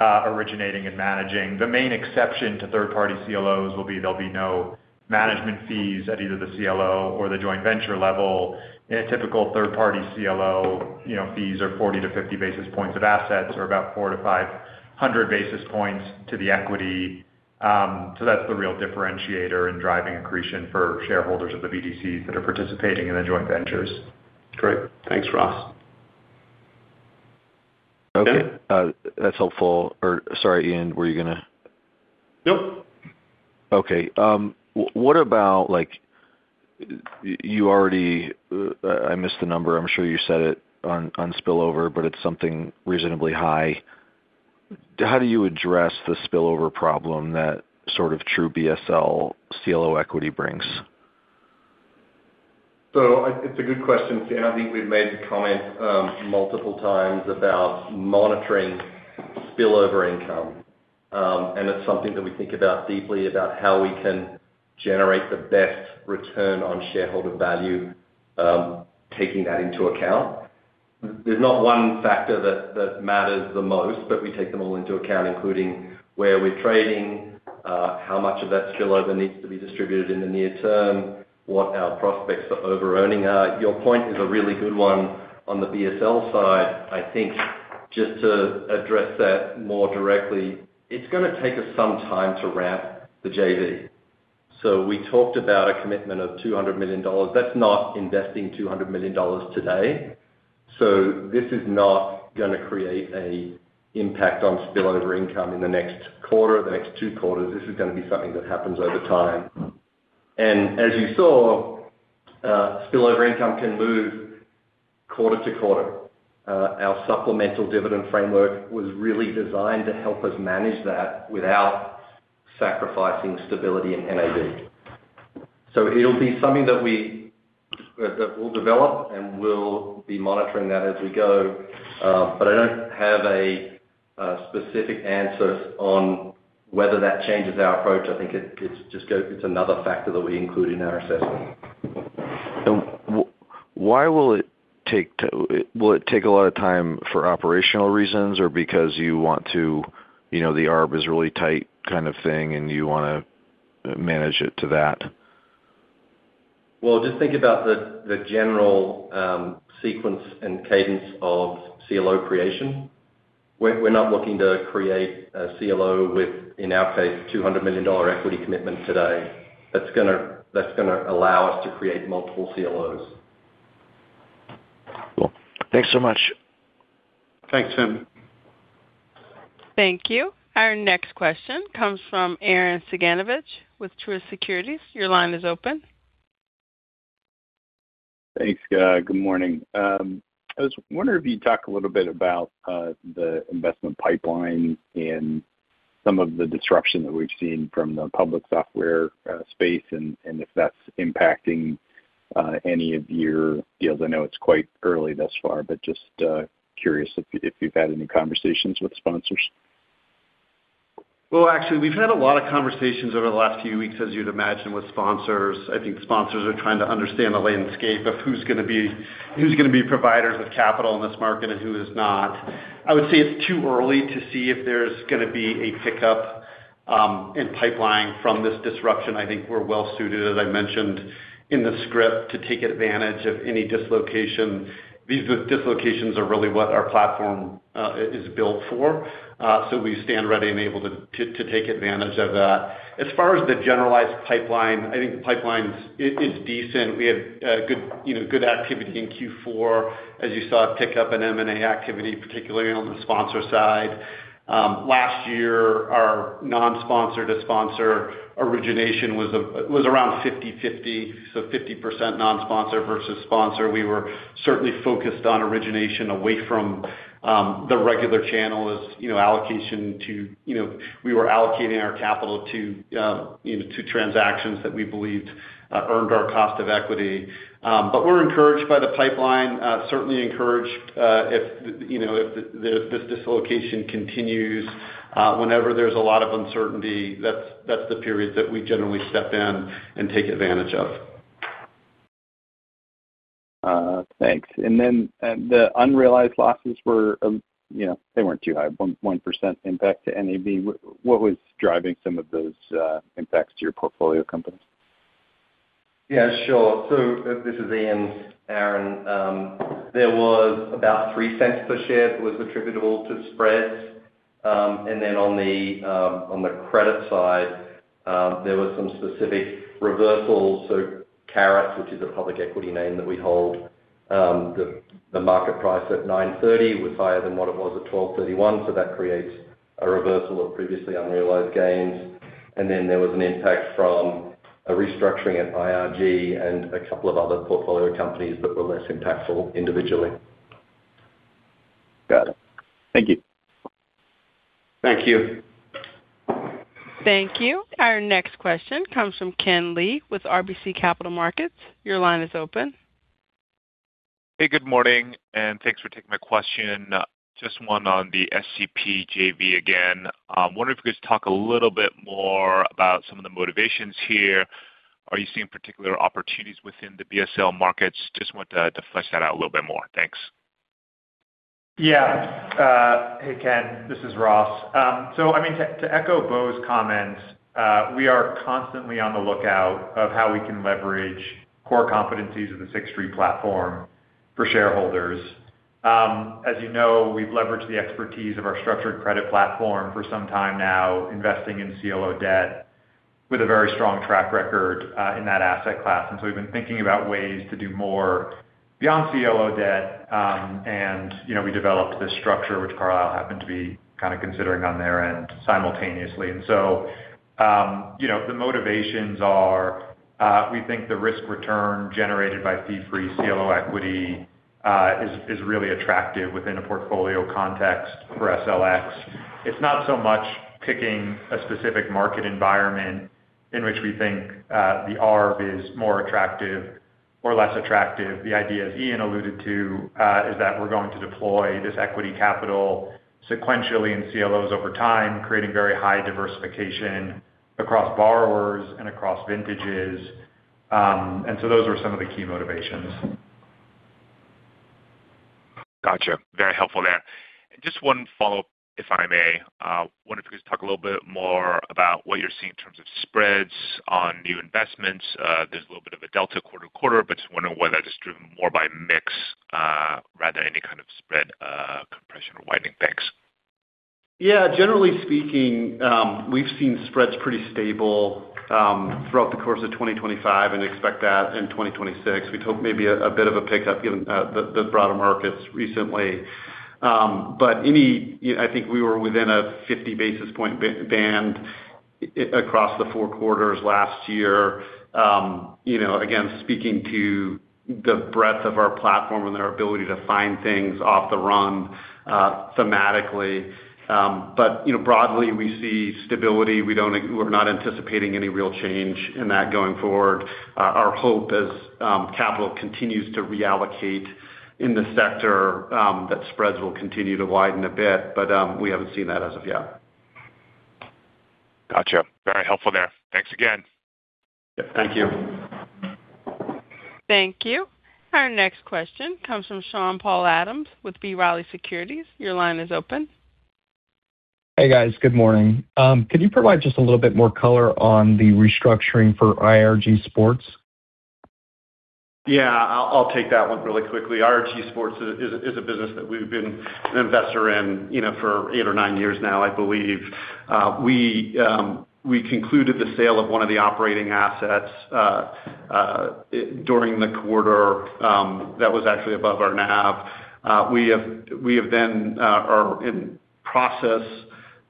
originating and managing. The main exception to third-party CLOs will be there'll be no management fees at either the CLO or the joint venture level. In a typical third-party CLO, you know, fees are 40-50 basis points of assets, or about 400-500 basis points to the equity. So that's the real differentiator in driving accretion for shareholders of the BDCs that are participating in the joint ventures. Great. Thanks, Ross. Okay. Yeah. That's helpful. Or sorry, Ian, were you gonna- Nope. Okay, what about, like, you already, I missed the number. I'm sure you said it on spillover, but it's something reasonably high. How do you address the spillover problem that sort of true BSL CLO equity brings? So it's a good question, Finn. I think we've made the comment multiple times about monitoring spillover income. And it's something that we think about deeply about how we can generate the best return on shareholder value, taking that into account. There's not one factor that matters the most, but we take them all into account, including where we're trading, how much of that spillover needs to be distributed in the near term, what our prospects for overearning are. Your point is a really good one on the BSL side. I think- Just to address that more directly, it's going to take us some time to ramp the JV. So we talked about a commitment of $200 million. That's not investing $200 million today. So this is not gonna create a impact on spillover income in the next quarter, or the next two quarters. This is gonna be something that happens over time. And as you saw, spillover income can move quarter-to-quarter. Our supplemental dividend framework was really designed to help us manage that without sacrificing stability in NAV. So it'll be something that we'll develop, and we'll be monitoring that as we go. But I don't have a specific answer on whether that changes our approach. I think it's just another factor that we include in our assessment. Will it take a lot of time for operational reasons, or because you want to, you know, the ARB is really tight kind of thing, and you want to manage it to that? Well, just think about the general sequence and cadence of CLO creation. We're not looking to create a CLO with, in our case, $200 million equity commitment today. That's gonna allow us to create multiple CLOs. Cool. Thanks so much. Thanks, Tim. Thank you. Our next question comes from Arren Cyganovich with Truist Securities. Your line is open. Thanks, guy. Good morning. I was wondering if you'd talk a little bit about the investment pipeline and some of the disruption that we've seen from the public software space, and if that's impacting any of your deals. I know it's quite early thus far, but just curious if you've had any conversations with sponsors. Well, actually, we've had a lot of conversations over the last few weeks, as you'd imagine, with sponsors. I think sponsors are trying to understand the landscape of who's gonna be, who's gonna be providers of capital in this market and who is not. I would say it's too early to see if there's gonna be a pickup in pipeline from this disruption. I think we're well suited, as I mentioned in the script, to take advantage of any dislocation. These dislocations are really what our platform is built for. So we stand ready and able to take advantage of that. As far as the generalized pipeline, I think the pipeline is decent. We had good, you know, good activity in Q4, as you saw, a pickup in M&A activity, particularly on the sponsor side. Last year, our non-sponsor to sponsor origination was around 50/50, so 50% non-sponsor versus sponsor. We were certainly focused on origination away from the regular channel, as you know, allocation to, you know. We were allocating our capital to you know, to transactions that we believed earned our cost of equity. But we're encouraged by the pipeline. Certainly encouraged if, you know, if this dislocation continues. Whenever there's a lot of uncertainty, that's the period that we generally step in and take advantage of. Thanks. And then, the unrealized losses were, you know, they weren't too high, 1% impact to NAV. What was driving some of those impacts to your portfolio companies? Yeah, sure. So this is Ian, Aaron. There was about $0.03 per share attributable to spreads. And then on the credit side, there was some specific reversals. So Karat, which is a public equity name that we hold, the market price at 9/30 was higher than what it was at 12/31, so that creates a reversal of previously unrealized gains. And then there was an impact from a restructuring at IRG and a couple of other portfolio companies that were less impactful individually. Got it. Thank you. Thank you. Thank you. Our next question comes from Ken Lee with RBC Capital Markets. Your line is open. Hey, good morning, and thanks for taking my question. Just one on the SCP JV again. Wondering if you could just talk a little bit more about some of the motivations here. Are you seeing particular opportunities within the BSL markets? Just want to flesh that out a little bit more. Thanks. Yeah. Hey, Ken, this is Ross. So, I mean, to echo Bo's comments, we are constantly on the lookout of how we can leverage core competencies of the Sixth Street platform for shareholders. As you know, we've leveraged the expertise of our structured credit platform for some time now, investing in CLO debt with a very strong track record in that asset class. And so we've been thinking about ways to do more beyond CLO debt. And, you know, we developed this structure, which Carlyle happened to be kind of considering on their end simultaneously. And so, you know, the motivations are, we think the risk return generated by fee-free CLO equity is really attractive within a portfolio context for TSLX. It's not so much picking a specific market environment in which we think, the ARB is more attractive or less attractive. The idea, as Ian alluded to, is that we're going to deploy this equity capital sequentially in CLOs over time, creating very high diversification across borrowers and across vintages. And so those were some of the key motivations. Gotcha. Very helpful there. Just one follow-up, if I may. I wonder if you could talk a little bit more about what you're seeing in terms of spreads on new investments. There's a little bit of a delta quarter-to-quarter, but just wondering whether that is driven more by mix, rather than any kind of spread, compression or widening effects? Yeah, generally speaking, we've seen spreads pretty stable throughout the course of 2025 and expect that in 2026. We took maybe a bit of a pickup given the broader markets recently. But anyway, I think we were within a 50 basis point band across the four quarters last year. You know, again, speaking to the breadth of our platform and our ability to find things off the run thematically. But you know, broadly, we see stability. We don't-- we're not anticipating any real change in that going forward. Our hope as capital continues to reallocate in the sector that spreads will continue to widen a bit, but we haven't seen that as of yet. Gotcha. Very helpful there. Thanks again. Thank you. Thank you. Our next question comes from Sean Paul Adams with B. Riley Securities. Your line is open. Hey, guys. Good morning. Could you provide just a little bit more color on the restructuring for IRG Sports? Yeah, I'll take that one really quickly. IRG Sports is a business that we've been an investor in, you know, for eight or nine years now, I believe. We concluded the sale of one of the operating assets during the quarter that was actually above our NAV. We have then are in process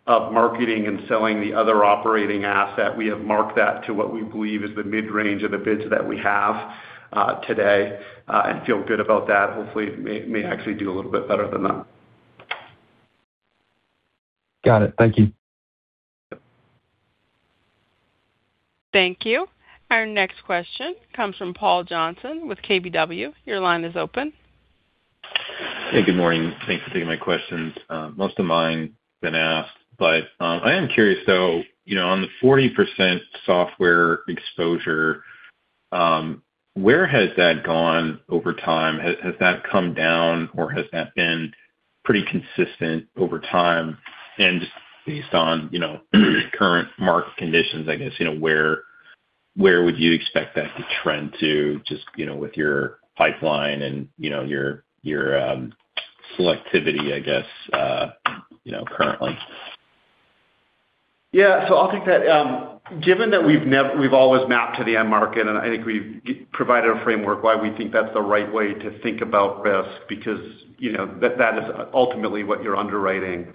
of marketing and selling the other operating asset. We have marked that to what we believe is the mid-range of the bids that we have today and feel good about that. Hopefully, it may actually do a little bit better than that. Got it. Thank you. Thank you. Our next question comes from Paul Johnson with KBW. Your line is open. Hey, good morning. Thanks for taking my questions. Most of mine been asked, but I am curious, though, you know, on the 40% software exposure, where has that gone over time? Has that come down, or has that been pretty consistent over time? And based on, you know, current market conditions, I guess, you know, where would you expect that to trend to just, you know, with your pipeline and, you know, your, your selectivity, I guess, you know, currently? Yeah. So I'll take that. Given that we've never—we've always mapped to the end market, and I think we've provided a framework why we think that's the right way to think about risk, because, you know, that, that is ultimately what you're underwriting.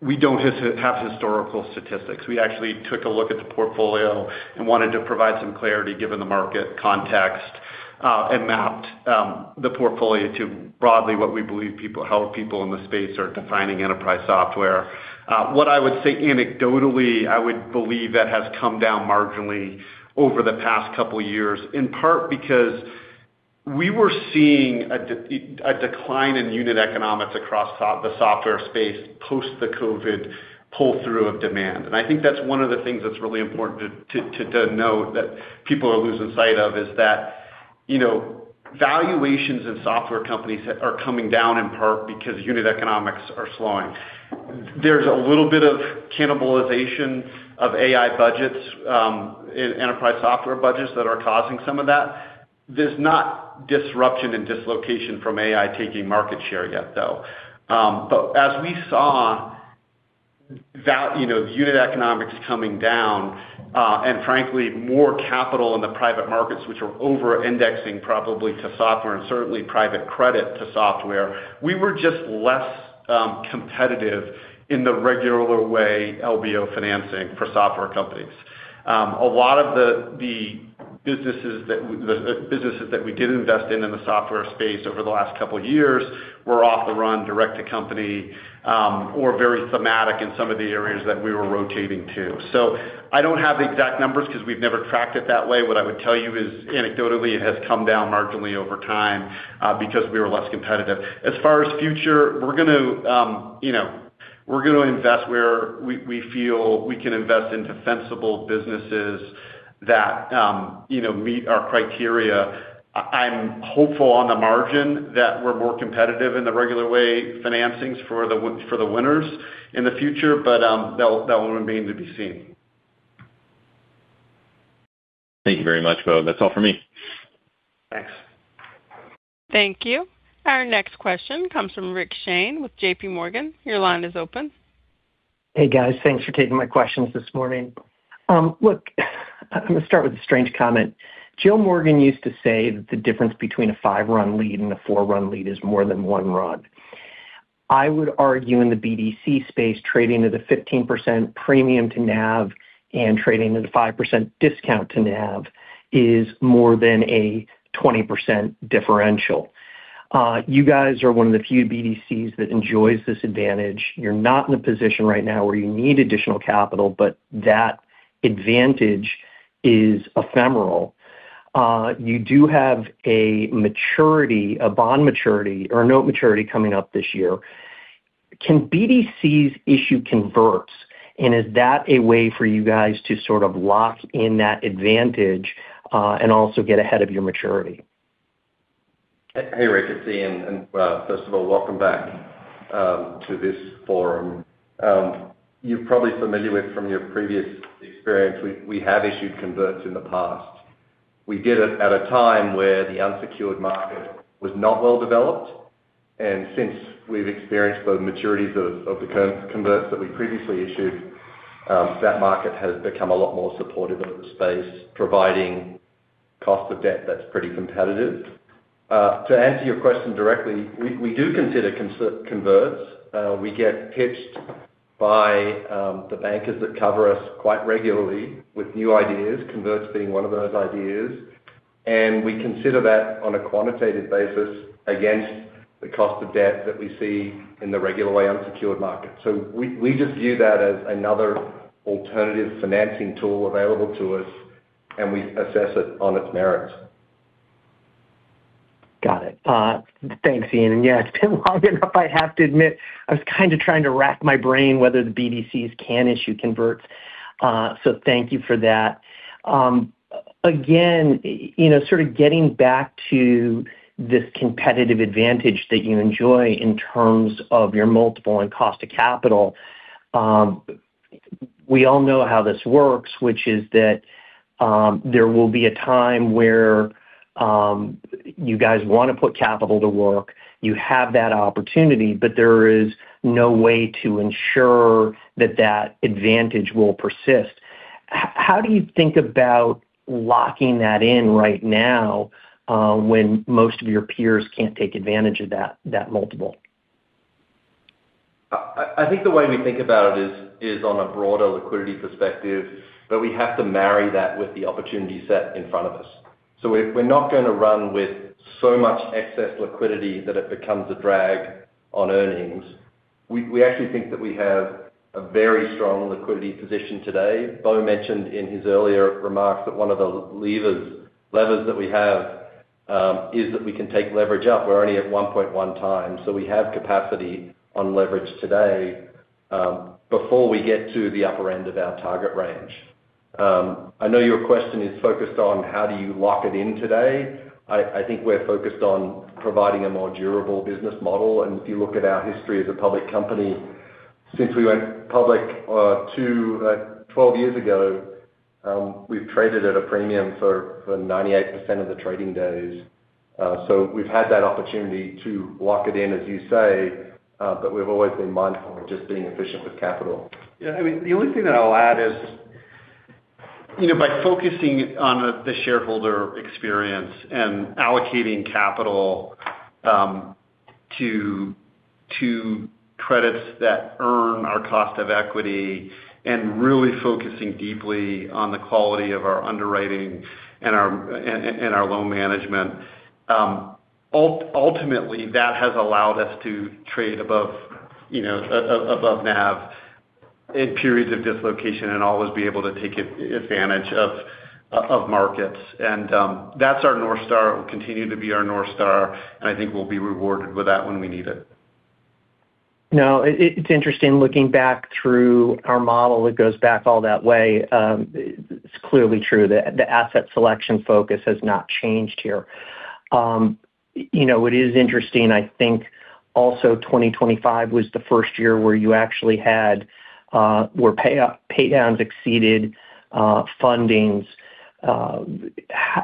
We don't have—have historical statistics. We actually took a look at the portfolio and wanted to provide some clarity, given the market context, and mapped the portfolio to broadly what we believe people—how people in the space are defining enterprise software. What I would say anecdotally, I would believe that has come down marginally over the past couple of years, in part because we were seeing a decline in unit economics across the software space, post the COVID pull-through of demand. And I think that's one of the things that's really important to note, that people are losing sight of, is that, you know, valuations in software companies are coming down in part because unit economics are slowing. There's a little bit of cannibalization of AI budgets in enterprise software budgets that are causing some of that. There's not disruption and dislocation from AI taking market share yet, though. But as we saw you know, unit economics coming down, and frankly, more capital in the private markets, which are over-indexing probably to software and certainly private credit to software, we were just less competitive in the regular way, LBO financing for software companies. A lot of the businesses that we did invest in, in the software space over the last couple of years were off the run, direct to company, or very thematic in some of the areas that we were rotating to. So I don't have the exact numbers because we've never tracked it that way. What I would tell you is, anecdotally, it has come down marginally over time, because we were less competitive. As far as future, we're going to, you know, we're going to invest where we feel we can invest in defensible businesses that, you know, meet our criteria. I'm hopeful on the margin that we're more competitive in the regular way financings for the winners in the future, but, that will remain to be seen. Thank you very much, Bo. That's all for me. Thanks. Thank you. Our next question comes from Rick Shane with JPMorgan. Your line is open. Hey, guys. Thanks for taking my questions this morning. Look, I'm going to start with a strange comment. Jo Morgan used to say that the difference between a 5-run lead and a 4-run lead is more than 1 run. I would argue in the BDC space, trading at a 15% premium to NAV and trading at a 5% discount to NAV is more than a 20% differential. You guys are one of the few BDCs that enjoys this advantage. You're not in a position right now where you need additional capital, but that advantage is ephemeral. You do have a maturity, a bond maturity or a note maturity coming up this year. Can BDCs issue converts, and is that a way for you guys to sort of lock in that advantage, and also get ahead of your maturity? Hey, Rick, it's Ian. First of all, welcome back to this forum. You're probably familiar with from your previous experience, we have issued converts in the past. We did it at a time where the unsecured market was not well developed, and since we've experienced the maturities of the converts that we previously issued, that market has become a lot more supportive of the space, providing cost of debt that's pretty competitive. To answer your question directly, we do consider converts. We get pitched by the bankers that cover us quite regularly with new ideas, converts being one of those ideas. We consider that on a quantitative basis against the cost of debt that we see in the regular way unsecured market. So we just view that as another alternative financing tool available to us, and we assess it on its merits. Got it. Thanks, Ian. And, yeah, it's been long enough, I have to admit, I was kind of trying to rack my brain whether the BDCs can issue converts. So thank you for that. Again, you know, sort of getting back to this competitive advantage that you enjoy in terms of your multiple and cost of capital. We all know how this works, which is that, there will be a time where, you guys wanna put capital to work, you have that opportunity, but there is no way to ensure that that advantage will persist. How do you think about locking that in right now, when most of your peers can't take advantage of that multiple? I think the way we think about it is on a broader liquidity perspective, but we have to marry that with the opportunity set in front of us. So we're not gonna run with so much excess liquidity that it becomes a drag on earnings. We actually think that we have a very strong liquidity position today. Bo mentioned in his earlier remarks that one of the levers that we have is that we can take leverage up. We're only at 1.1x, so we have capacity on leverage today before we get to the upper end of our target range. I know your question is focused on how do you lock it in today. I think we're focused on providing a more durable business model, and if you look at our history as a public company, since we went public 12 years ago, we've traded at a premium for 98% of the trading days. So we've had that opportunity to lock it in, as you say, but we've always been mindful of just being efficient with capital. Yeah, I mean, the only thing that I'll add is, you know, by focusing on the shareholder experience and allocating capital to credits that earn our cost of equity and really focusing deeply on the quality of our underwriting and our loan management, ultimately, that has allowed us to trade above, you know, above NAV in periods of dislocation and always be able to take advantage of markets. And, that's our North Star. It will continue to be our North Star, and I think we'll be rewarded with that when we need it. No, it's interesting looking back through our model, it goes back all that way. It's clearly true that the asset selection focus has not changed here. You know, it is interesting. I think also 2025 was the first year where you actually had where paydowns exceeded fundings. At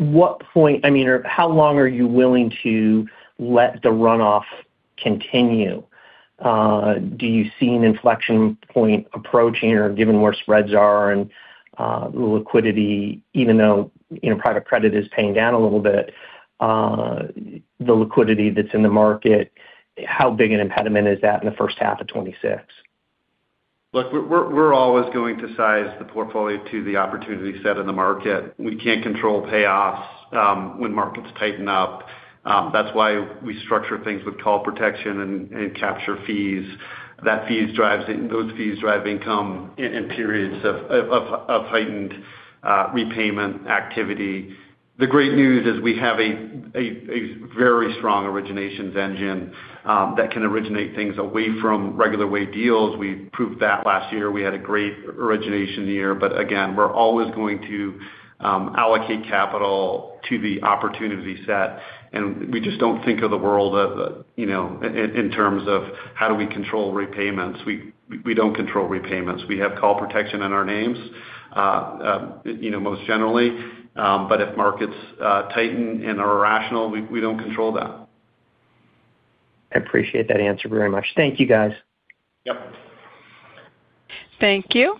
what point, I mean, or how long are you willing to let the runoff continue? Do you see an inflection point approaching or given where spreads are and liquidity, even though, you know, private credit is paying down a little bit, the liquidity that's in the market, how big an impediment is that in the first half of 2026? Look, we're always going to size the portfolio to the opportunity set in the market. We can't control payoffs when markets tighten up. That's why we structure things with call protection and capture fees. Those fees drive income in periods of heightened repayment activity. The great news is we have a very strong originations engine that can originate things away from regular way deals. We proved that last year. We had a great origination year, but again, we're always going to allocate capital to the opportunity set, and we just don't think of the world, you know, in terms of how do we control repayments? We don't control repayments. We have call protection in our names, you know, most generally, but if markets tighten and are irrational, we, we don't control that. I appreciate that answer very much. Thank you, guys. Yep. Thank you.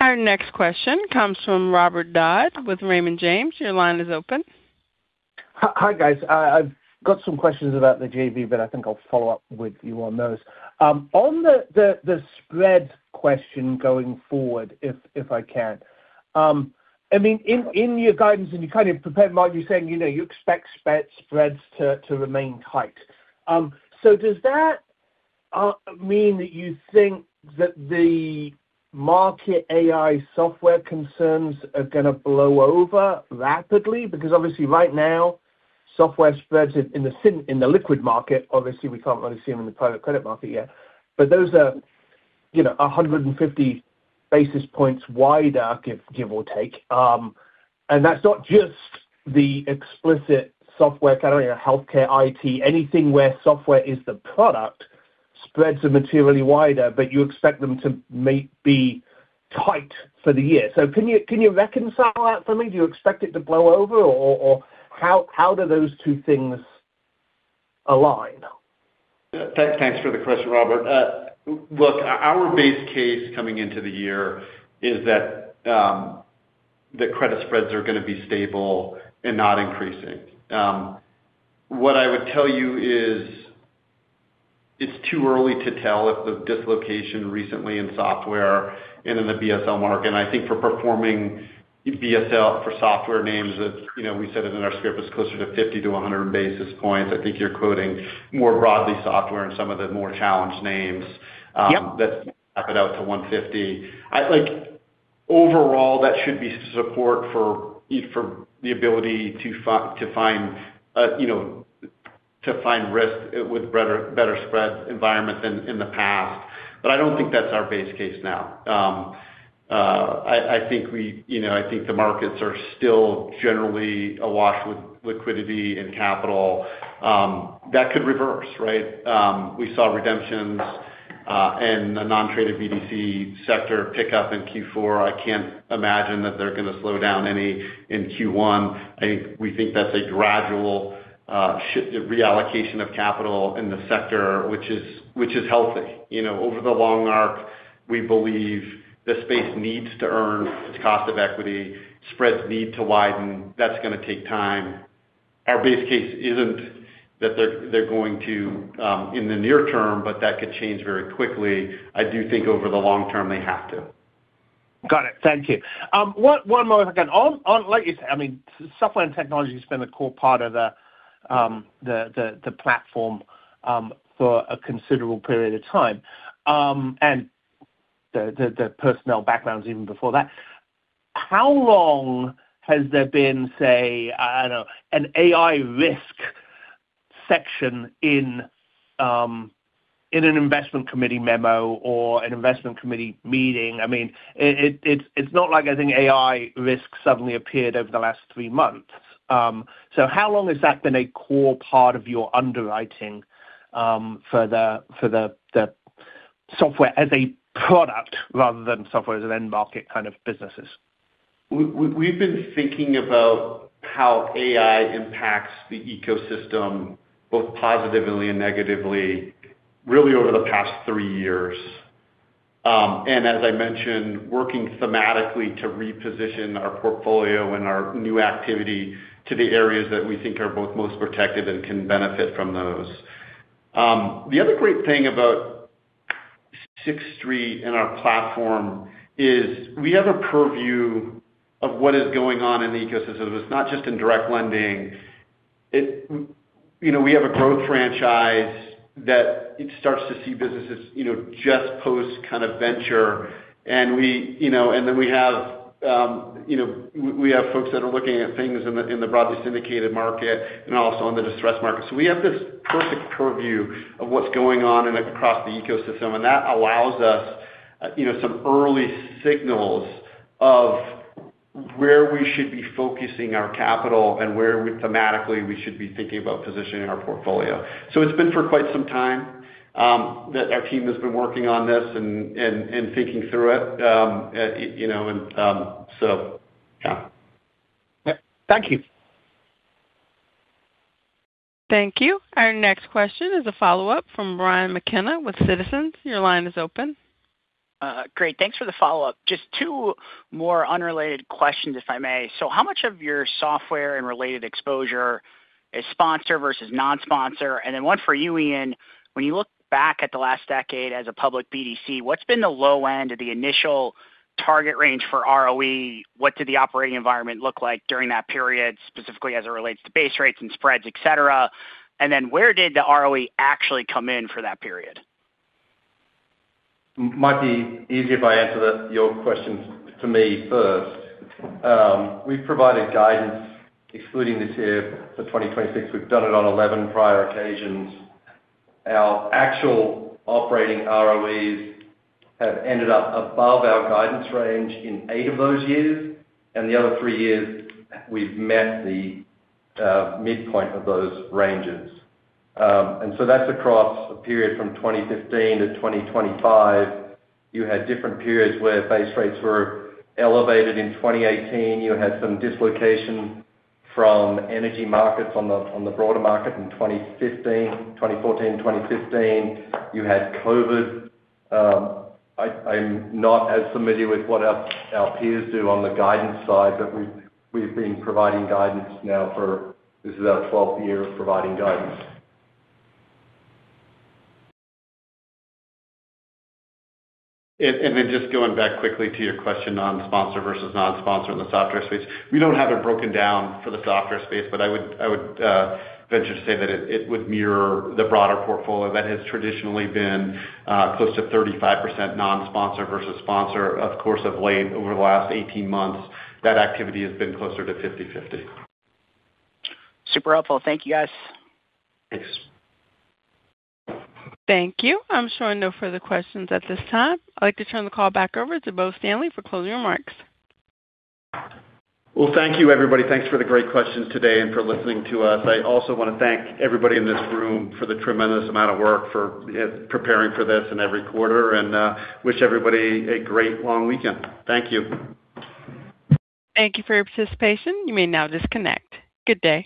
Our next question comes from Robert Dodd with Raymond James. Your line is open. Hi, guys. I've got some questions about the JV, but I think I'll follow up with you on those. On the spread question going forward, if I can. I mean, in your guidance, and you kind of prepared by saying, you know, you expect spreads to remain tight. So does that mean that you think that the market AI software concerns are gonna blow over rapidly? Because obviously, right now, software spreads in the liquid market, obviously, we can't really see them in the private credit market yet. But those are, you know, 150 basis points wider, give or take. And that's not just the explicit software category, healthcare, IT, anything where software is the product. Spreads are materially wider, but you expect them to be tight for the year. So can you reconcile that for me? Do you expect it to blow over? Or how do those two things align? Thanks for the question, Robert. Look, our base case coming into the year is that the credit spreads are gonna be stable and not increasing. What I would tell you is, it's too early to tell if the dislocation recently in software and in the BSL market, and I think for performing BSL for software names that, you know, we said it in our script, is closer to 50-100 basis points. I think you're quoting more broadly software and some of the more challenged names. Yep. That cap it out to 150. Like, overall, that should be support for the ability to find, you know, to find risk with better, better spread environment than in the past. But I don't think that's our base case now. I think we, you know, I think the markets are still generally awash with liquidity and capital. That could reverse, right? We saw redemptions and the non-traded BDC sector pick up in Q4. I can't imagine that they're gonna slow down any in Q1. I think we think that's a gradual reallocation of capital in the sector, which is, which is healthy. You know, over the long arc, we believe the space needs to earn its cost of equity, spreads need to widen. That's gonna take time. Our base case isn't that they're going to in the near term, but that could change very quickly. I do think over the long term, they have to. Got it. Thank you. One more again. On, like you said, I mean, software and technology has been a core part of the platform for a considerable period of time, and the personnel backgrounds even before that. How long has there been, say, I don't know, an AI risk section in an investment committee memo or an investment committee meeting? I mean, it's not like I think AI risk suddenly appeared over the last three months. So how long has that been a core part of your underwriting for the software as a product rather than software as an end market kind of businesses? We've been thinking about how AI impacts the ecosystem, both positively and negatively, really over the past three years. And as I mentioned, working thematically to reposition our portfolio and our new activity to the areas that we think are both most protected and can benefit from those. The other great thing about Sixth Street and our platform is we have a purview of what is going on in the ecosystem. It's not just in direct lending. You know, we have a growth franchise that starts to see businesses, you know, just post kind of venture. And we, you know, and then we have folks that are looking at things in the broadly syndicated market and also in the distressed market. So we have this perfect purview of what's going on and across the ecosystem, and that allows us, you know, some early signals of where we should be focusing our capital and where thematically, we should be thinking about positioning our portfolio. So it's been for quite some time that our team has been working on this and thinking through it. You know, so yeah. Thank you. Thank you. Our next question is a follow-up from Brian McKenna with Citizens. Your line is open. Great, thanks for the follow-up. Just two more unrelated questions, if I may. So how much of your software and related exposure is sponsor versus non-sponsor? And then one for you, Ian. When you look back at the last decade as a public BDC, what's been the low end of the initial target range for ROE? What did the operating environment look like during that period, specifically as it relates to base rates and spreads, et cetera? And then where did the ROE actually come in for that period? It might be easier if I answer your questions to me first. We've provided guidance, excluding this year, for 2026. We've done it on 11 prior occasions. Our actual operating ROEs have ended up above our guidance range in eight of those years, and the other three years, we've met the midpoint of those ranges. And so that's across a period from 2015 to 2025. You had different periods where base rates were elevated in 2018. You had some dislocation from energy markets on the broader market in 2015, 2014, 2015. You had COVID. I'm not as familiar with what our peers do on the guidance side, but we've been providing guidance now for. This is our 12th year of providing guidance. Then just going back quickly to your question on sponsor versus non-sponsor in the software space. We don't have it broken down for the software space, but I would venture to say that it would mirror the broader portfolio that has traditionally been close to 35% non-sponsor versus sponsor. Of course, of late, over the last 18 months, that activity has been closer to 50/50. Super helpful. Thank you, guys. Thanks. Thank you. I'm showing no further questions at this time. I'd like to turn the call back over to Bo Stanley for closing remarks. Well, thank you, everybody. Thanks for the great questions today and for listening to us. I also want to thank everybody in this room for the tremendous amount of work for preparing for this and every quarter, and wish everybody a great long weekend. Thank you. Thank you for your participation. You may now disconnect. Good day.